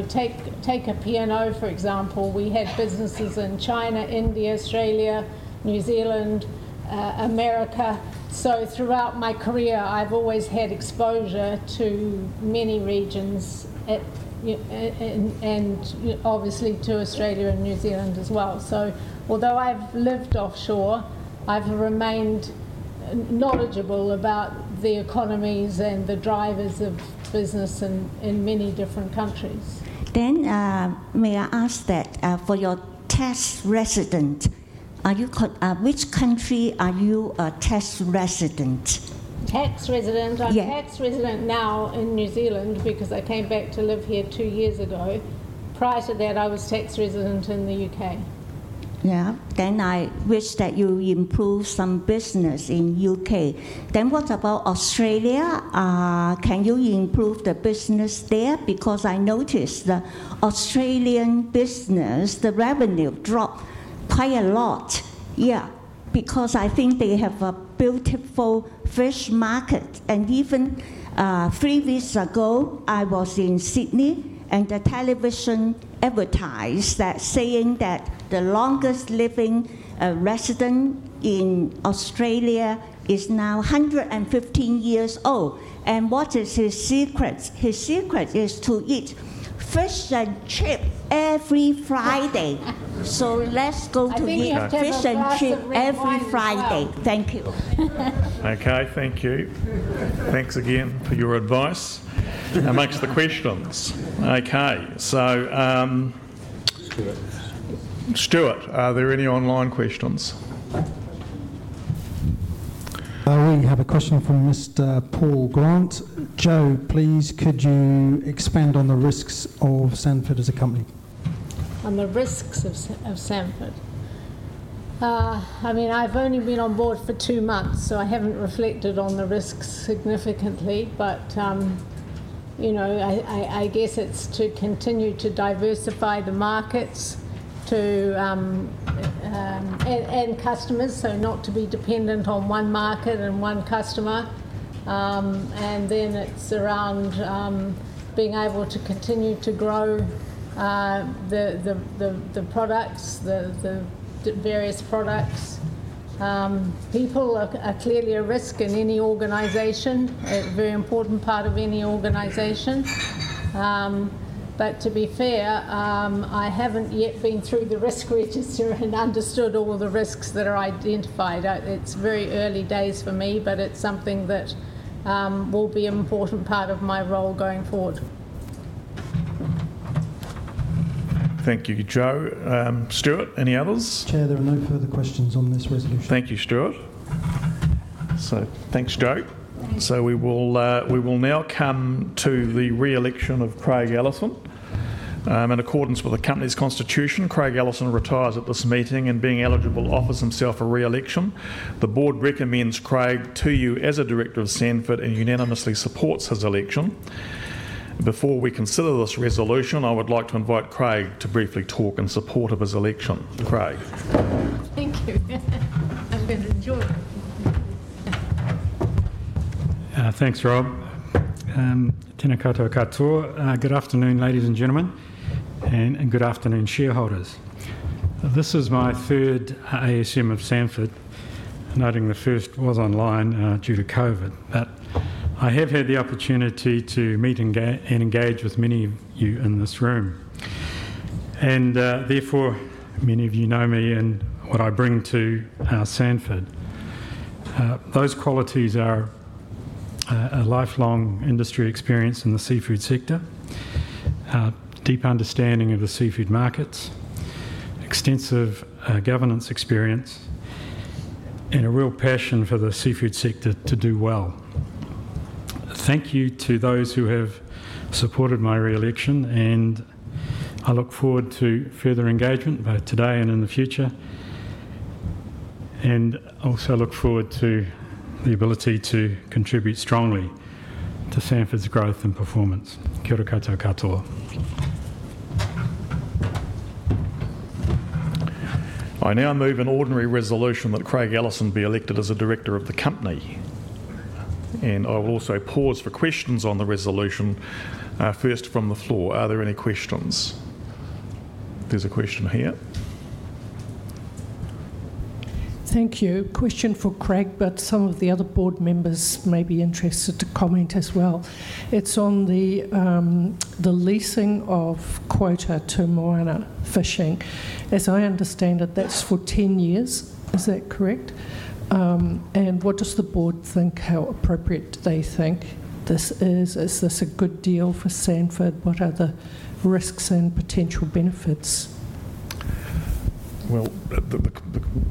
take P&O, for example. We had businesses in China, India, Australia, New Zealand, America. So throughout my career, I've always had exposure to many regions and obviously to Australia and New Zealand as well. So although I've lived offshore, I've remained knowledgeable about the economies and the drivers of business in many different countries. Then, may I ask that for your tax resident, which country are you a tax resident? Tax resident. I'm tax resident now in New Zealand because I came back to live here two years ago. Prior to that, I was tax resident in the U.K. Yeah. Then I wish that you improve some business in the U.K. Then what about Australia? Can you improve the business there? Because I noticed the Australian business, the revenue dropped quite a lot. Yeah. Because I think they have a beautiful fish market. And even three weeks ago, I was in Sydney, and the television advertised that saying that the longest living resident in Australia is now 115 years old. And what is his secret? His secret is to eat fish and chips every Friday. So let's go to eat fish and chips every Friday. Thank you. Okay. Thank you. Thanks again for your advice. That makes the questions. Okay. So Stuart, are there any online questions? We have a question from Mr. Paul Grant. Jo, please, could you expand on the risks of Sanford as a company? On the risks of Sanford? I mean, I've only been on board for two months, so I haven't reflected on the risks significantly. But I guess it's to continue to diversify the markets and customers, so not to be dependent on one market and one customer. And then it's around being able to continue to grow the products, the various products. People are clearly a risk in any organization, a very important part of any organization. But to be fair, I haven't yet been through the risk register and understood all the risks that are identified. It's very early days for me, but it's something that will be an important part of my role going forward. Thank you, Jo. Stuart, any others? Chair, there are no further questions on this resolution. Thank you, Stuart. So thanks, Jo. So we will now come to the re-election of Craig Ellison. In accordance with the company's constitution, Craig Ellison retires at this meeting and being eligible offers himself for re-election. The board recommends Craig to you as a director of Sanford and unanimously supports his election. Before we consider this resolution, I would like to invite Craig to briefly talk in support of his election. Craig. Thank you. I'm going to join. Thanks, Rob. Tēnā koutou katoa. Good afternoon, ladies and gentlemen, and good afternoon, shareholders. This is my third ASM of Sanford, noting the first was online due to COVID. But I have had the opportunity to meet and engage with many of you in this room. And therefore, many of you know me and what I bring to Sanford. Those qualities are a lifelong industry experience in the seafood sector, deep understanding of the seafood markets, extensive governance experience, and a real passion for the seafood sector to do well. Thank you to those who have supported my re-election, and I look forward to further engagement both today and in the future, and also look forward to the ability to contribute strongly to Sanford's growth and performance. Kia ora koutou katoa. I now move an ordinary resolution that Craig Ellison be elected as a director of the company. And I will also pause for questions on the resolution, first from the floor. Are there any questions? There's a question here. Thank you. Question for Craig, but some of the other board members may be interested to comment as well. It's on the leasing of quota to Moana Fishing. As I understand it, that's for 10 years. Is that correct? And what does the board think? How appropriate do they think this is? Is this a good deal for Sanford? What are the risks and potential benefits? Well,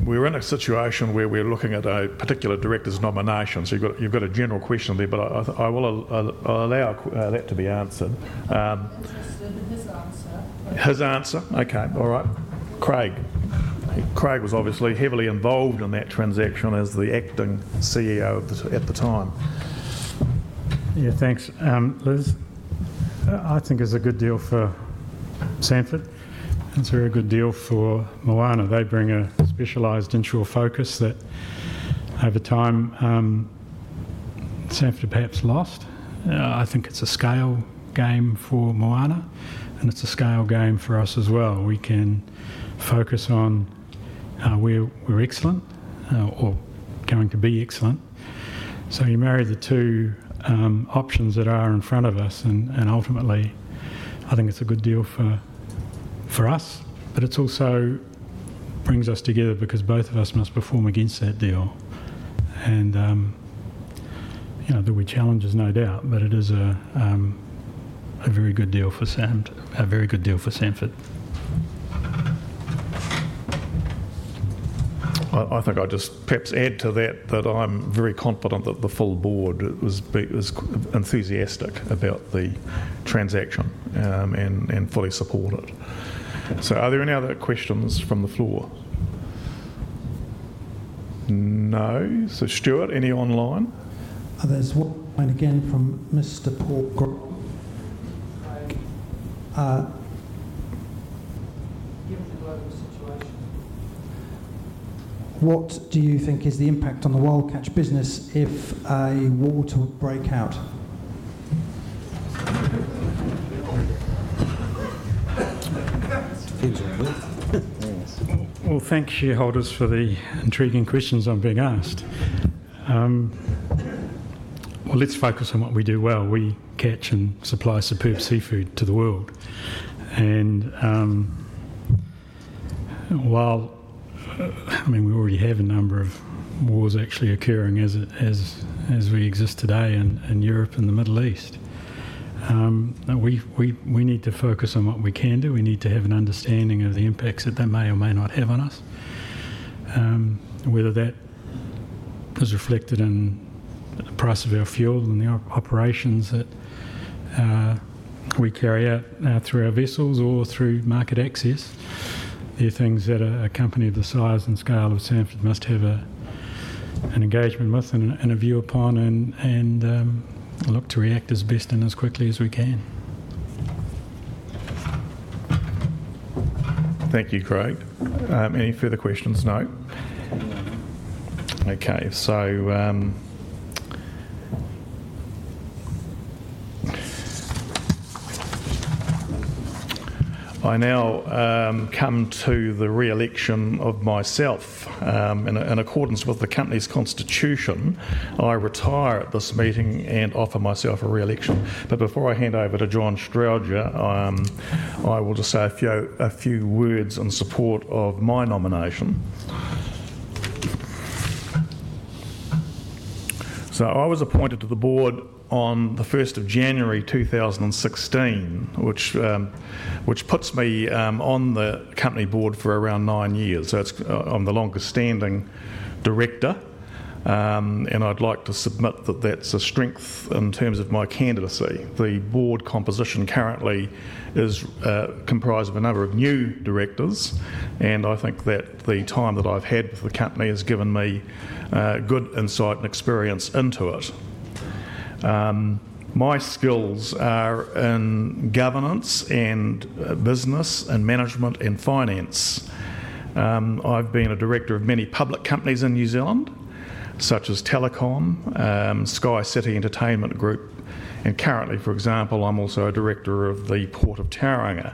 we're in a situation where we're looking at a particular director's nomination. So you've got a general question there, but I will allow that to be answered. Okay. All right. Craig. Craig was obviously heavily involved in that transaction as the acting CEO at the time. Yeah, thanks. Liz, I think it's a good deal for Sanford. It's a very good deal for Moana. They bring a specialized inshore focus that over time Sanford have perhaps lost. I think it's a scale game for Moana, and it's a scale game for us as well. We can focus on where we're excellent or going to be excellent. So you marry the two options that are in front of us, and ultimately, I think it's a good deal for us, but it also brings us together because both of us must perform against that deal. And there will be challenges, no doubt, but it is a very good deal for Sanford. I think I'll just perhaps add to that that I'm very confident that the full board was enthusiastic about the transaction and fully support it. So are there any other questions from the floor? No. So Stuart, any online? There's one again from Mr. Paul. What do you think is the impact on the wildcatch business if a war breaks out? Thanks, shareholders, for the intriguing questions I'm being asked. Let's focus on what we do well. We catch and supply superb seafood to the world. And while I mean, we already have a number of wars actually occurring as we exist today in Europe and the Middle East, we need to focus on what we can do. We need to have an understanding of the impacts that they may or may not have on us, whether that is reflected in the price of our fuel and the operations that we carry out through our vessels or through market access. There are things that a company of the size and scale of Sanford must have an engagement with and a view upon and look to react as best and as quickly as we can. Thank you, Craig. Any further questions? No. No. Okay. So I now come to the re-election of myself. In accordance with the company's constitution, I retire at this meeting and offer myself a re-election. But before I hand over to John Strowger, I will just say a few words in support of my nomination. So I was appointed to the board on the 1st of January 2016, which puts me on the company board for around nine years. So I'm the longest-standing director, and I'd like to submit that that's a strength in terms of my candidacy. The board composition currently is comprised of a number of new directors, and I think that the time that I've had with the company has given me good insight and experience into it. My skills are in governance and business and management and finance. I've been a director of many public companies in New Zealand, such as Telecom, SkyCity Entertainment Group, and currently, for example, I'm also a director of the Port of Tauranga.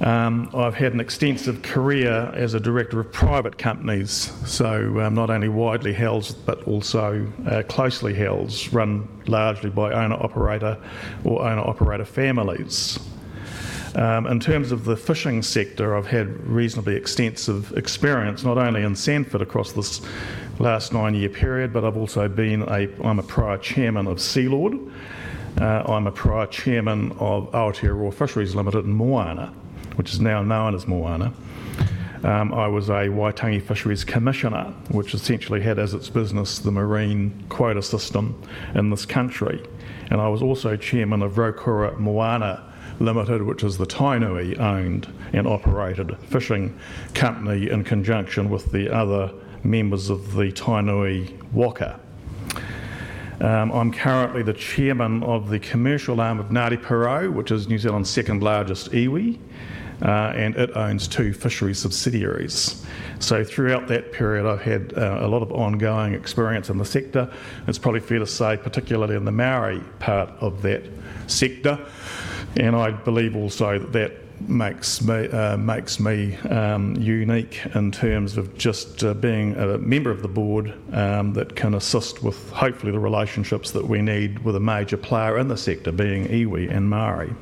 I've had an extensive career as a director of private companies, so not only widely held but also closely held, run largely by owner-operator or owner-operator families. In terms of the fishing sector, I've had reasonably extensive experience not only in Sanford across this last nine-year period, but I've also been a prior chairman of Sealord. I'm a prior chairman of Aotearoa Fisheries Limited in Moana, which is now known as Moana. I was a Waitangi Fisheries Commissioner, which essentially had as its business the marine quota system in this country. I was also chairman of Raukura Moana Limited, which is the Tainui-owned and operated fishing company in conjunction with the other members of the Tainui Waka. I'm currently the chairman of the commercial arm of Ngāti Porou, which is New Zealand's second-largest iwi, and it owns two fisheries subsidiaries. So throughout that period, I've had a lot of ongoing experience in the sector. It's probably fair to say, particularly in the Māori part of that sector. And I believe also that that makes me unique in terms of just being a member of the board that can assist with, hopefully, the relationships that we need with a major player in the sector being iwi and Māori.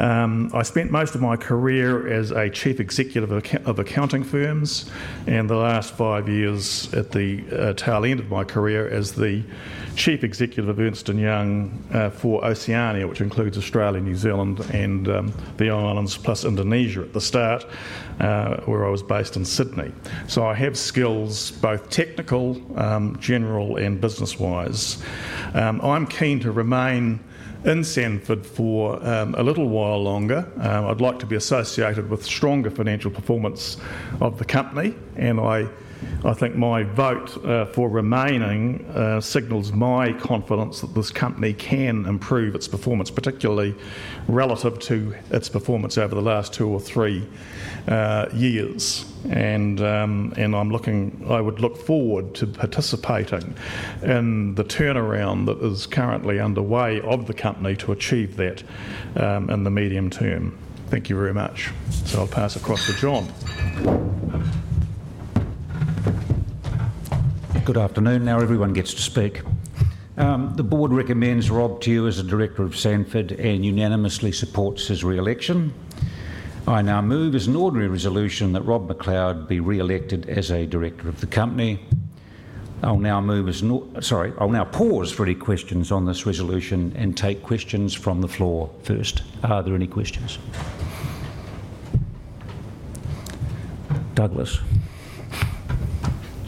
I spent most of my career as a chief executive of accounting firms, and the last five years at the tail end of my career as the chief executive of Ernst & Young for Oceania, which includes Australia, New Zealand, and the islands plus Indonesia at the start, where I was based in Sydney. So, I have skills both technical, general, and business-wise. I'm keen to remain in Sanford for a little while longer. I'd like to be associated with stronger financial performance of the company, and I think my vote for remaining signals my confidence that this company can improve its performance, particularly relative to its performance over the last two or three years, and I would look forward to participating in the turnaround that is currently underway of the company to achieve that in the medium term. Thank you very much, so I'll pass across to John. Good afternoon. Now everyone gets to speak. The board recommends Rob McLeod as a director of Sanford and unanimously supports his re-election. I now move as an ordinary resolution that Rob McLeod be re-elected as a director of the company. I'll now move as sorry. I'll now pause for any questions on this resolution and take questions from the floor first. Are there any questions? Douglas.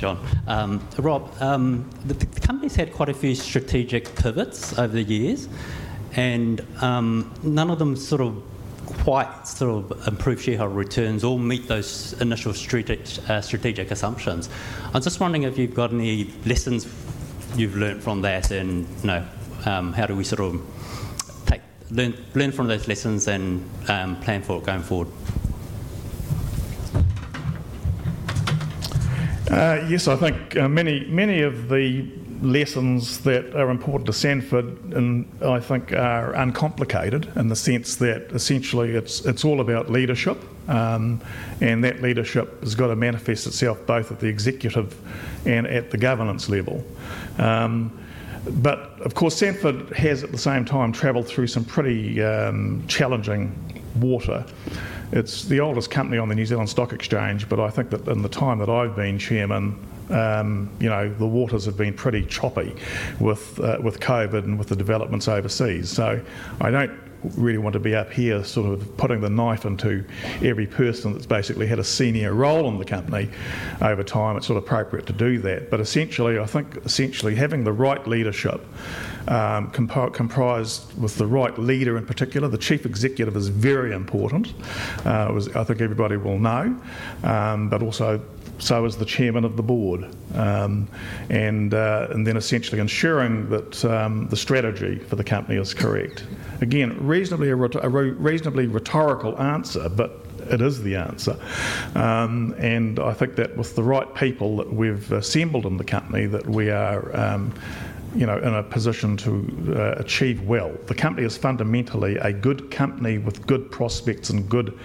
John. Rob, the company's had quite a few strategic pivots over the years, and none of them sort of quite sort of improve shareholder returns or meet those initial strategic assumptions. I'm just wondering if you've got any lessons you've learned from that, and how do we sort of learn from those lessons and plan for going forward? Yes. I think many of the lessons that are important to Sanford, I think, are uncomplicated in the sense that essentially it's all about leadership, and that leadership has got to manifest itself both at the executive and at the governance level. But of course, Sanford has at the same time traveled through some pretty challenging water. It's the oldest company on the New Zealand Stock Exchange, but I think that in the time that I've been chairman, the waters have been pretty choppy with COVID and with the developments overseas. So I don't really want to be up here sort of putting the knife into every person that's basically had a senior role in the company over time. It's sort of appropriate to do that. But essentially, I think essentially having the right leadership comprised with the right leader in particular, the Chief Executive is very important, I think everybody will know, but also so is the Chairman of the Board, and then essentially ensuring that the strategy for the company is correct. Again, reasonably rhetorical answer, but it is the answer, and I think that with the right people that we've assembled in the company, that we are in a position to achieve well. The company is fundamentally a good company with good prospects and good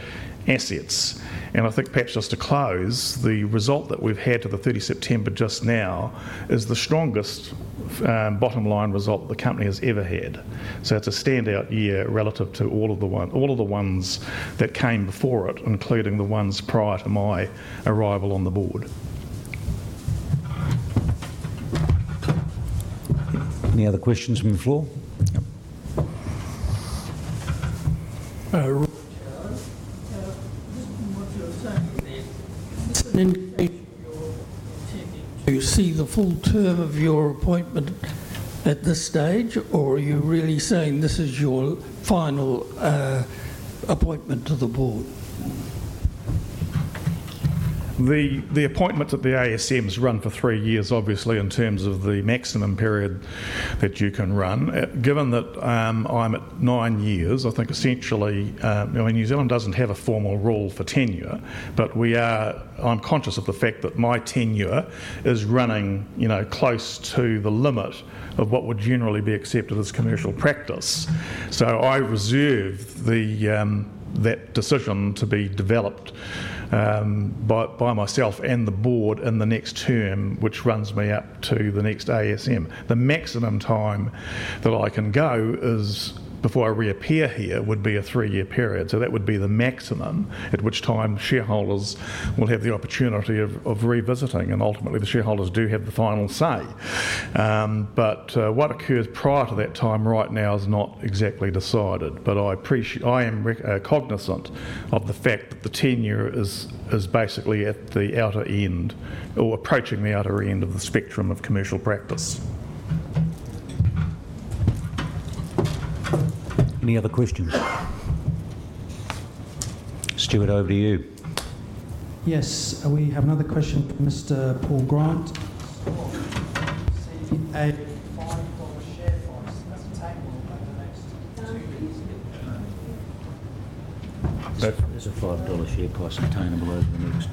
assets. And I think perhaps just to close, the result that we've had to the 30th of September just now is the strongest bottom-line result the company has ever had. So it's a standout year relative to all of the ones that came before it, including the ones prior to my arrival on the board. Any other questions from the floor? No. Just from what you're saying, do you see the full term of your appointment at this stage, or are you really saying this is your final appointment to the board? The appointment at the ASM has run for three years, obviously, in terms of the maximum period that you can run. Given that I'm at nine years, I think essentially New Zealand doesn't have a formal rule for tenure, but I'm conscious of the fact that my tenure is running close to the limit of what would generally be accepted as commercial practice. So I reserve that decision to be developed by myself and the board in the next term, which runs me up to the next ASM. The maximum time that I can go before I reappear here would be a three-year period. So that would be the maximum at which time shareholders will have the opportunity of revisiting, and ultimately, the shareholders do have the final say. But what occurs prior to that time right now is not exactly decided, but I am cognizant of the fact that the tenure is basically at the outer end or approaching the outer end of the spectrum of commercial practice. Any other questions? Stuart, over to you. Yes. We have another question from Mr. Paul Grant. Is a 5 dollar share price attainable over the next two years? Is a 5 dollar share price attainable over the next.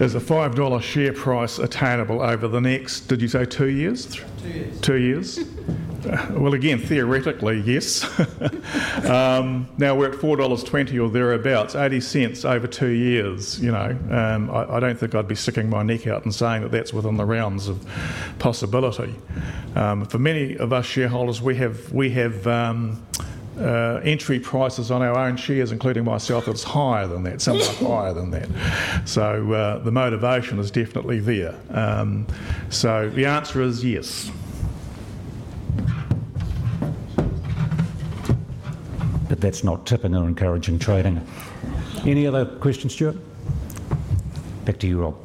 There's a 5 dollar share price attainable over the next, did you say two years? Two years. Two years. Well, again, theoretically, yes. Now we're at 4.20 dollars or thereabouts, 0.80 over two years. I don't think I'd be sticking my neck out and saying that that's within the realms of possibility. For many of us shareholders, we have entry prices on our own shares, including myself, that's higher than that, somewhat higher than that. So the motivation is definitely there. So the answer is yes. But that's not tipping or encouraging trading. Any other questions, Stuart? Back to you, Rob.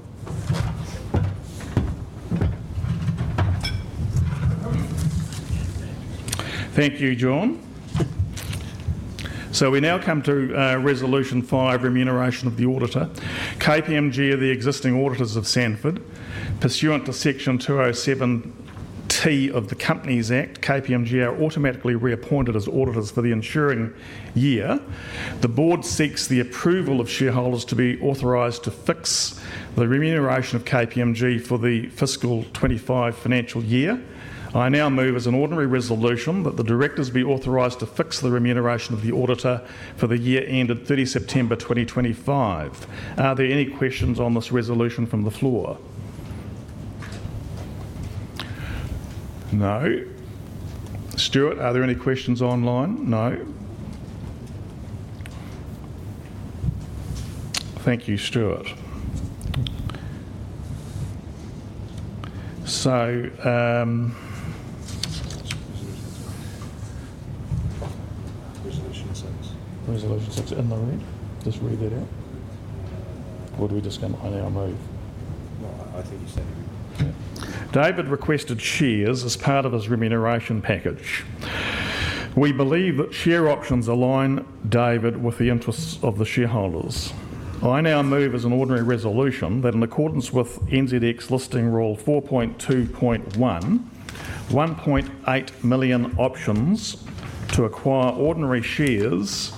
Thank you, John. So we now come to resolution five, remuneration of the auditor. KPMG are the existing auditors of Sanford. Pursuant to Section 207T of the Companies Act, KPMG are automatically reappointed as auditors for the ensuing year. The board seeks the approval of shareholders to be authorized to fix the remuneration of KPMG for the fiscal '25 financial year. I now move as an ordinary resolution that the directors be authorized to fix the remuneration of the auditor for the year ended 30 September 2025. Are there any questions on this resolution from the floor? No. Stuart, are there any questions online? No. Thank you, Stuart. So. Resolution six. Resolution six. And the room? Just read that out. Or do we just go? I now move. No, I think you said it. David requested shares as part of his remuneration package. We believe that share options align, David, with the interests of the shareholders. I now move as an ordinary resolution that in accordance with NZX Listing Rule 4.2.1, 1.8 million options to acquire ordinary shares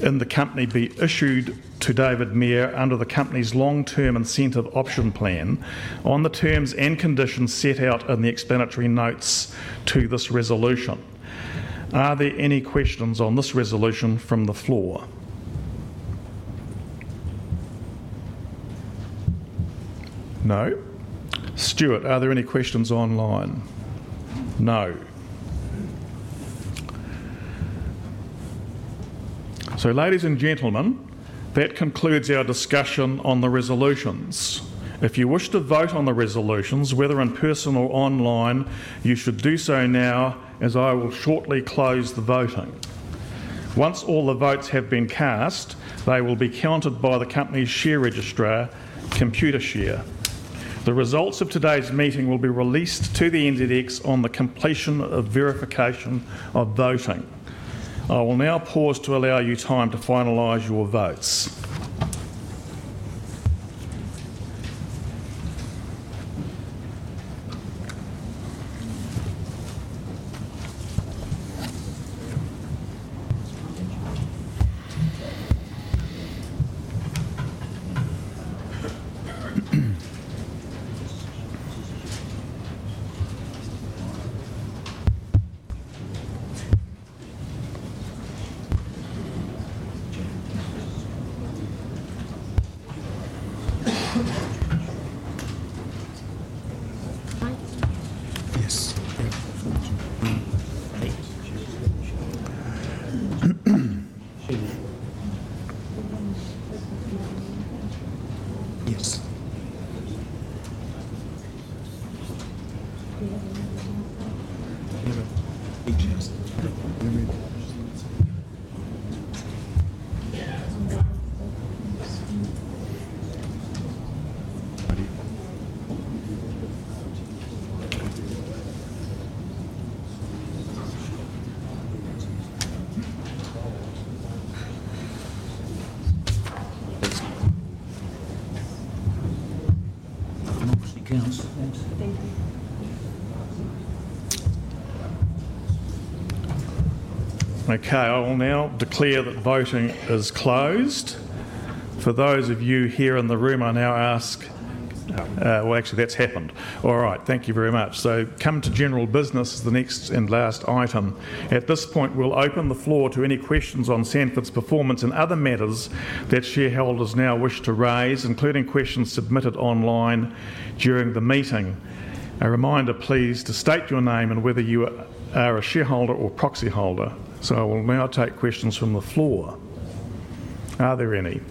in the company be issued to David Mair under the company's Long-Term Incentive Option Plan on the terms and conditions set out in the explanatory notes to this resolution. Are there any questions on this resolution from the floor? No. Stuart, are there any questions online? No. So, ladies and gentlemen, that concludes our discussion on the resolutions. If you wish to vote on the resolutions, whether in person or online, you should do so now as I will shortly close the voting. Once all the votes have been cast, they will be counted by the company's share registrar, Computershare. The results of today's meeting will be released to the NZX on the completion of verification of voting. I will now pause to allow you time to finalize your votes. Okay. I will now declare that voting is closed. For those of you here in the room, I now ask. Well, actually, that's happened. All right. Thank you very much. So coming to general business is the next and last item. At this point, we'll open the floor to any questions on Sanford's performance in other matters that shareholders now wish to raise, including questions submitted online during the meeting. A reminder, please, to state your name and whether you are a shareholder or proxy holder. So I will now take questions from the floor. Are there any?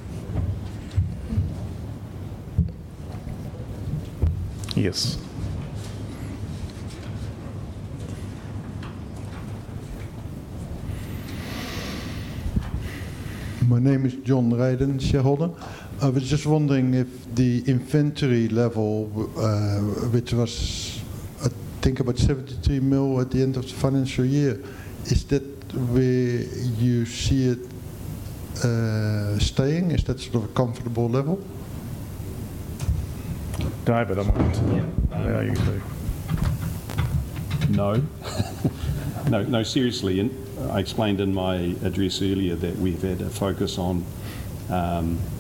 Yes. My name is John Reddan, shareholder. I was just wondering if the inventory level, which was, I think, about 72 million at the end of the financial year, is that where you see it staying? Is that sort of a comfortable level? David, I might. Yeah. Yeah, you too. No. No, no. Seriously, I explained in my address earlier that we've had a focus on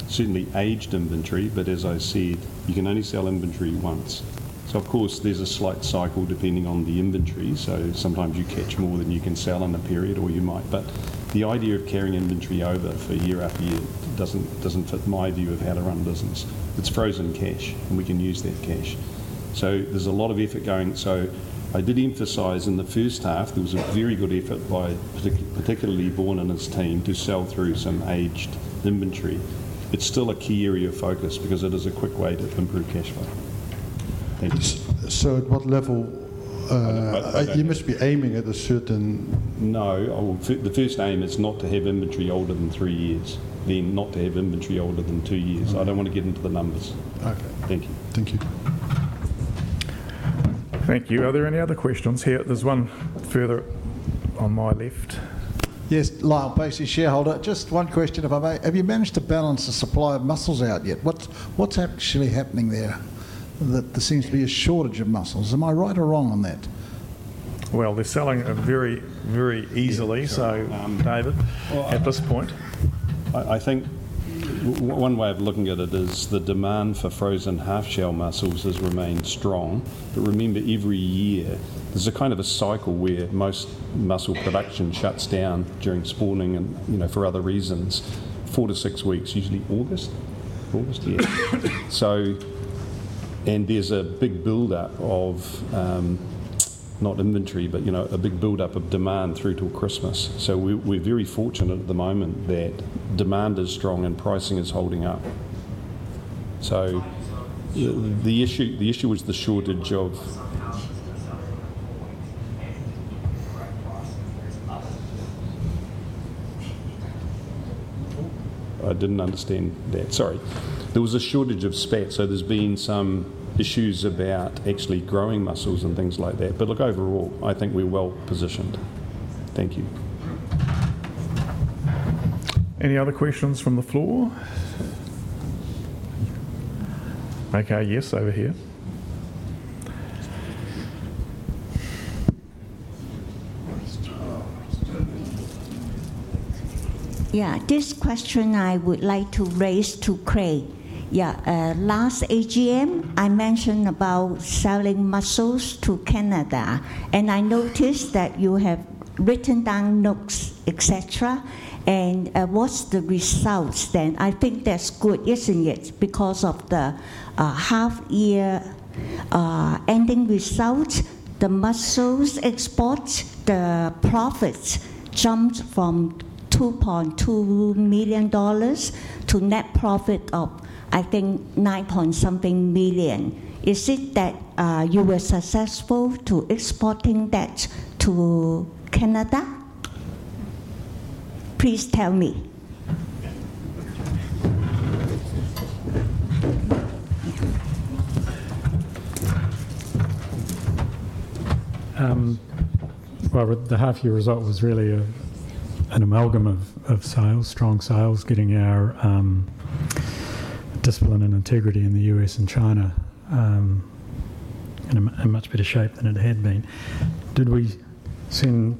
certainly aged inventory, but as I said, you can only sell inventory once. So, of course, there's a slight cycle depending on the inventory. So sometimes you catch more than you can sell in a period, or you might. But the idea of carrying inventory over for year after year doesn't fit my view of how to run business. It's frozen cash, and we can use that cash. So there's a lot of effort going. So I did emphasize in the first half, there was a very good effort by particularly Le Bouc and his team to sell through some aged inventory. It's still a key area of focus because it is a quick way to improve cash flow. So at what level? You must be aiming at a certain? No. The first aim is not to have inventory older than three years, then not to have inventory older than two years. I don't want to get into the numbers. Okay. Thank you. Thank you. Thank you. Are there any other questions here? There's one further on my left. Yes. Lyle Paice, shareholder. Just one question, if I may. Have you managed to balance the supply of mussels out yet? What's actually happening there that there seems to be a shortage of mussels? Am I right or wrong on that? Well, they're selling very, very easily, so, David, at this point. I think one way of looking at it is the demand for frozen half-shell mussels has remained strong. But remember, every year there's a kind of a cycle where most mussel production shuts down during spawning and for other reasons. Four to six weeks, usually August. August, yeah. And there's a big build-up of not inventory, but a big build-up of demand through till Christmas. So we're very fortunate at the moment that demand is strong and pricing is holding up. So the issue was the shortage of. I didn't understand that. Sorry. There was a shortage of spat. So there's been some issues about actually growing mussels and things like that. But look, overall, I think we're well-positioned. Thank you. Any other questions from the floor? Okay. Yes, over here. Yeah. This question I would like to raise to Craig. Yeah. Last AGM, I mentioned about selling mussels to Canada, and I noticed that you have written down notes, etc., and what's the results then? I think that's good, isn't it? Because of the half-year ending results, the mussels exports, the profits jumped from 2.2 million dollars to net profit of, I think, 9 point something million. Is it that you were successful to exporting that to Canada? Please tell me. Well, the half-year result was really an amalgam of sales, strong sales, getting our discipline and integrity in the U.S. and China in a much better shape than it had been. Did we send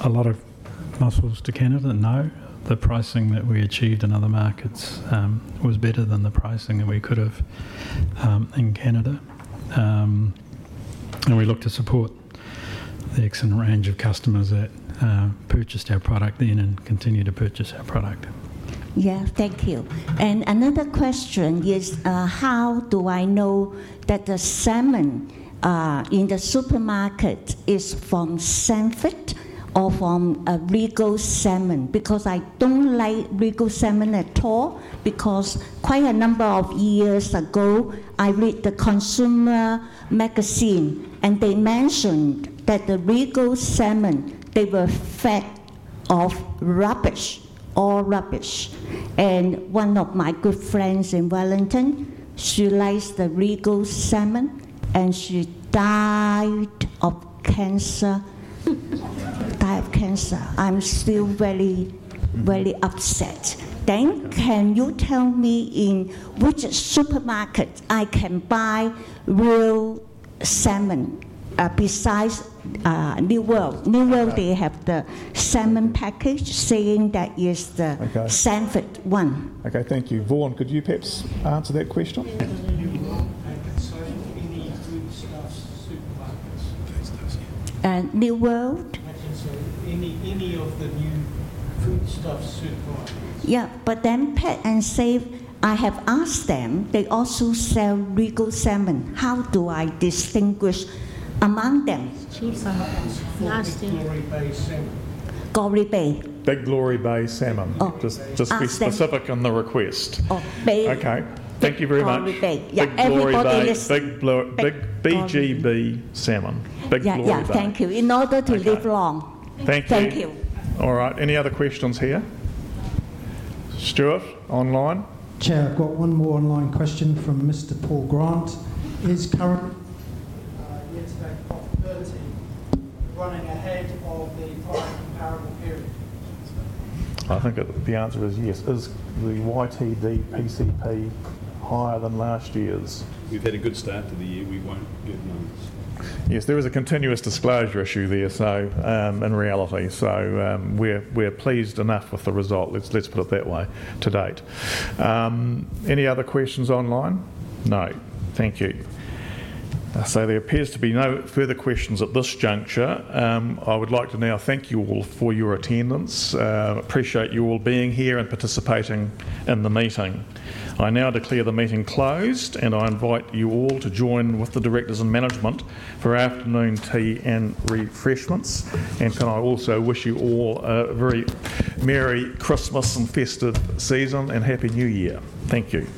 a lot of mussels to Canada? No. The pricing that we achieved in other markets was better than the pricing that we could have in Canada. And we look to support the excellent range of customers that purchased our product then and continue to purchase our product. Yeah. Thank you. And another question is, how do I know that the salmon in the supermarket is from Sanford or from Regal Salmon? Because I don't like Regal Salmon at all because quite a number of years ago, I read the Consumer Magazine, and they mentioned that the Regal Salmon, they were fed off rubbish, all rubbish. And one of my good friends in Wellington, she likes the Regal Salmon, and she died of cancer, died of cancer. I'm still very, very upset. Then can you tell me in which supermarket I can buy real salmon besides New World? New World, they have the salmon package saying that is the Sanford one. Okay. Thank you. Vaughan, could you perhaps answer that question? At New World, I can say any Foodstuffs supermarkets. Foodstuffs, yeah. New World. I can say any of the new Foodstuffs supermarkets. Yeah. But then PAK'nSAVE, I have asked them, they also sell Regal Salmon. How do I distinguish among them? It's called Big Glory Bay Salmon. Glory Bay. Big Glory Bay Salmon. Just be specific on the request. Okay. Thank you very much. Big Glory Bay. Yeah. Everybody listen. BGB Salmon. Big Glory Bay. Yeah. Thank you. In order to live long. Thank you. Thank you. All right. Any other questions here? Stuart, online? Chair, I've got one more online question from Mr. Paul Grant. Is current year-to-date cost parity] running ahead of the prior comparable period? I think the answer is yes. Is the YTD PCP higher than last year's? We've had a good start to the year. We won't get numbers. Yes. There was a continuous disclosure issue there, so in reality. So we're pleased enough with the result. Let's put it that way to date. Any other questions online? No. Thank you. So there appears to be no further questions. At this juncture, I would like to now thank you all for your attendance. Appreciate you all being here and participating in the meeting. I now declare the meeting closed, and I invite you all to join with the directors and management for afternoon tea and refreshments, and can I also wish you all a very Merry Christmas and festive season and Happy New Year. Thank you.